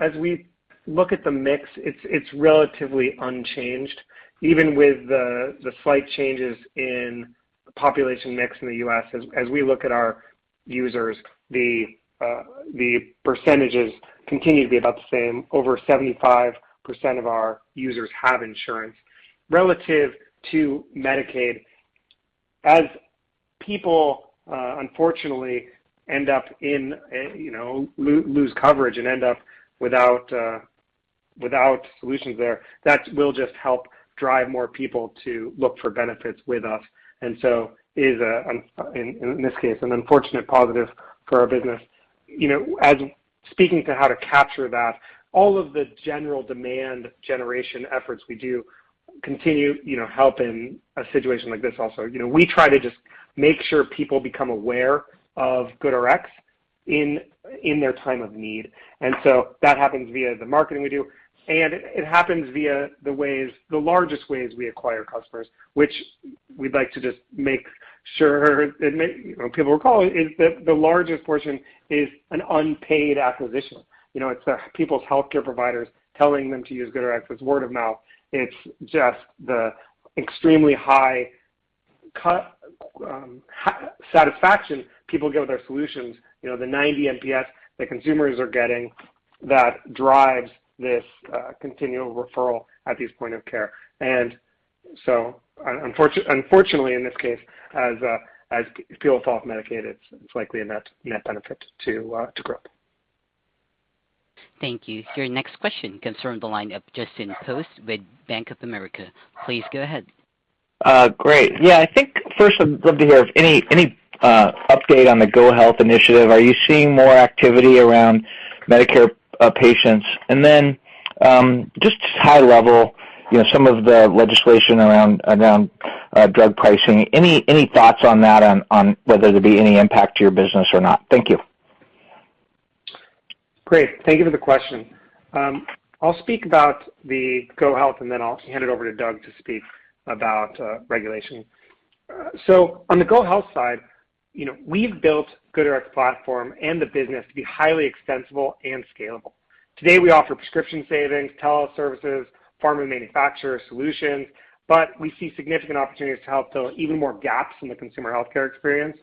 as we look at the mix, it's relatively unchanged. Even with the slight changes in population mix in the U.S. as we look at our users, the percentages continue to be about the same. Over 75% of our users have insurance. Relative to Medicaid, as people unfortunately end up, you know, losing coverage and end up without solutions there, that will just help drive more people to look for benefits with us. It is, in this case, an unfortunate positive for our business. You know, speaking to how to capture that, all of the general demand generation efforts we do continue to help, you know, in a situation like this also. You know, we try to just make sure people become aware of GoodRx in their time of need. That happens via the marketing we do, and it happens via the ways, the largest ways we acquire customers, which we'd like to just make sure and you know, people recall is that the largest portion is an unpaid acquisition. You know, it's people's healthcare providers telling them to use GoodRx. It's word of mouth. It's just the extremely high satisfaction people get with our solutions, you know, the 90 NPS that consumers are getting that drives this continual referral at these point of care. Unfortunately, in this case, as people fall off Medicaid, it's likely a net benefit to grow. Thank you. Your next question comes from the line of Justin Post with Bank of America. Please go ahead. Great. Yeah. I think first I'd love to hear if any update on the GoHealth initiative. Are you seeing more activity around Medicare patients? Then, just high level, you know, some of the legislation around drug pricing. Any thoughts on that, on whether there'd be any impact to your business or not? Thank you. Great. Thank you for the question. I'll speak about the GoHealth, and then I'll hand it over to Doug to speak about regulation. So on the GoHealth side, you know, we've built GoodRx platform and the business to be highly extensible and scalable. Today, we offer prescription savings, telehealth services, pharma manufacturer solutions, but we see significant opportunities to help fill even more gaps in the consumer healthcare experience.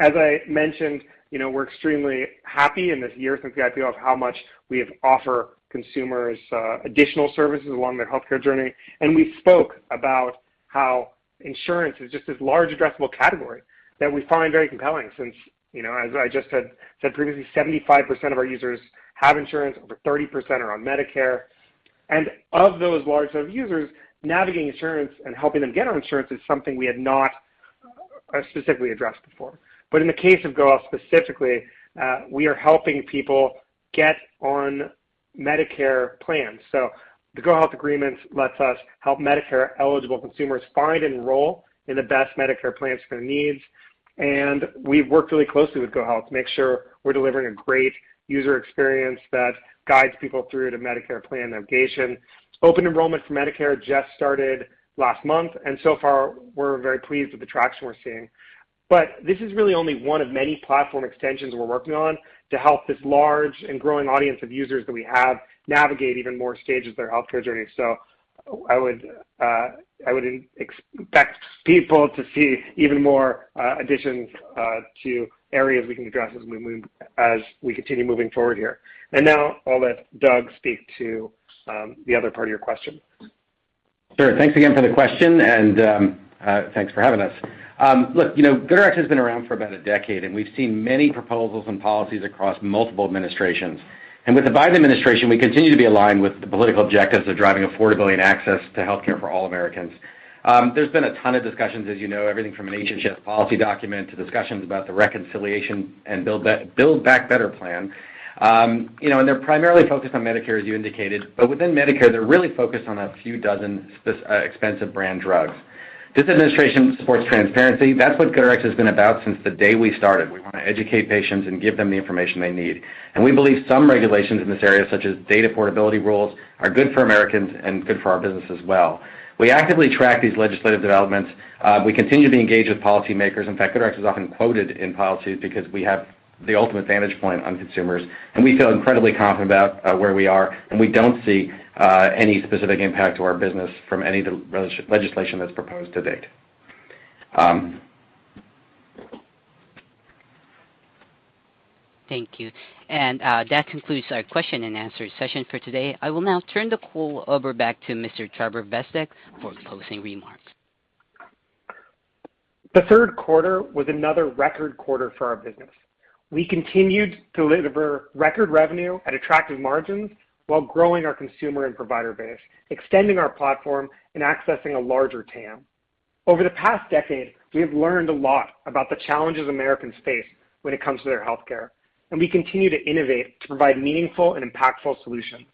As I mentioned, you know, we're extremely happy this year since we had time to think of how much we have to offer consumers, additional services along their healthcare journey. We spoke about how insurance is just this large addressable category that we find very compelling since, you know, as I just said previously, 75% of our users have insurance, over 30% are on Medicare. Of those large set of users, navigating insurance and helping them get on insurance is something we had not specifically addressed before. In the case of GoHealth, specifically, we are helping people get on Medicare plans. The GoHealth agreements lets us help Medicare-eligible consumers find and enroll in the best Medicare plans for their needs. We've worked really closely with GoHealth to make sure we're delivering a great user experience that guides people through the Medicare plan navigation. Open enrollment for Medicare just started last month, and so far we're very pleased with the traction we're seeing. This is really only one of many platform extensions we're working on to help this large and growing audience of users that we have navigate even more stages of their healthcare journey. I would expect people to see even more additions to areas we can address as we move, as we continue moving forward here. Now I'll let Doug speak to the other part of your question. Sure. Thanks again for the question, and, thanks for having us. Look, you know, GoodRx has been around for about a decade, and we've seen many proposals and policies across multiple administrations. With the Biden administration, we continue to be aligned with the political objectives of driving affordability and access to healthcare for all Americans. There's been a ton of discussions, as you know, everything from an agency policy document to discussions about the reconciliation and Build Back Better plan. You know, they're primarily focused on Medicare, as you indicated, but within Medicare, they're really focused on a few dozen expensive brand drugs. This administration supports transparency. That's what GoodRx has been about since the day we started. We wanna educate patients and give them the information they need. We believe some regulations in this area, such as data portability rules, are good for Americans and good for our business as well. We actively track these legislative developments. We continue to engage with policymakers. In fact, GoodRx is often quoted in policies because we have the ultimate vantage point on consumers, and we feel incredibly confident about where we are, and we don't see any specific impact to our business from any legislation that's proposed to date. Thank you. That concludes our question and answer session for today. I will now turn the call over to Mr. Trevor Bezdek for closing remarks. The 3rd quarter was another record quarter for our business. We continued to deliver record revenue at attractive margins while growing our consumer and provider base, extending our platform and accessing a larger TAM. Over the past decade, we have learned a lot about the challenges Americans face when it comes to their healthcare, and we continue to innovate to provide meaningful and impactful solutions.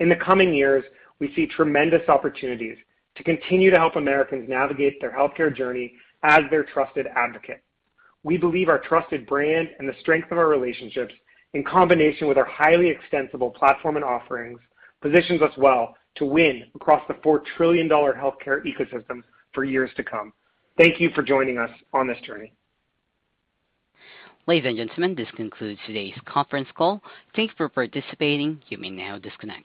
In the coming years, we see tremendous opportunities to continue to help Americans navigate their healthcare journey as their trusted advocate. We believe our trusted brand and the strength of our relationships, in combination with our highly extensible platform and offerings, positions us well to win across the $4 trillion healthcare ecosystem for years to come. Thank you for joining us on this journey. Ladies and gentlemen, this concludes today's conference call. Thanks for participating. You may now disconnect.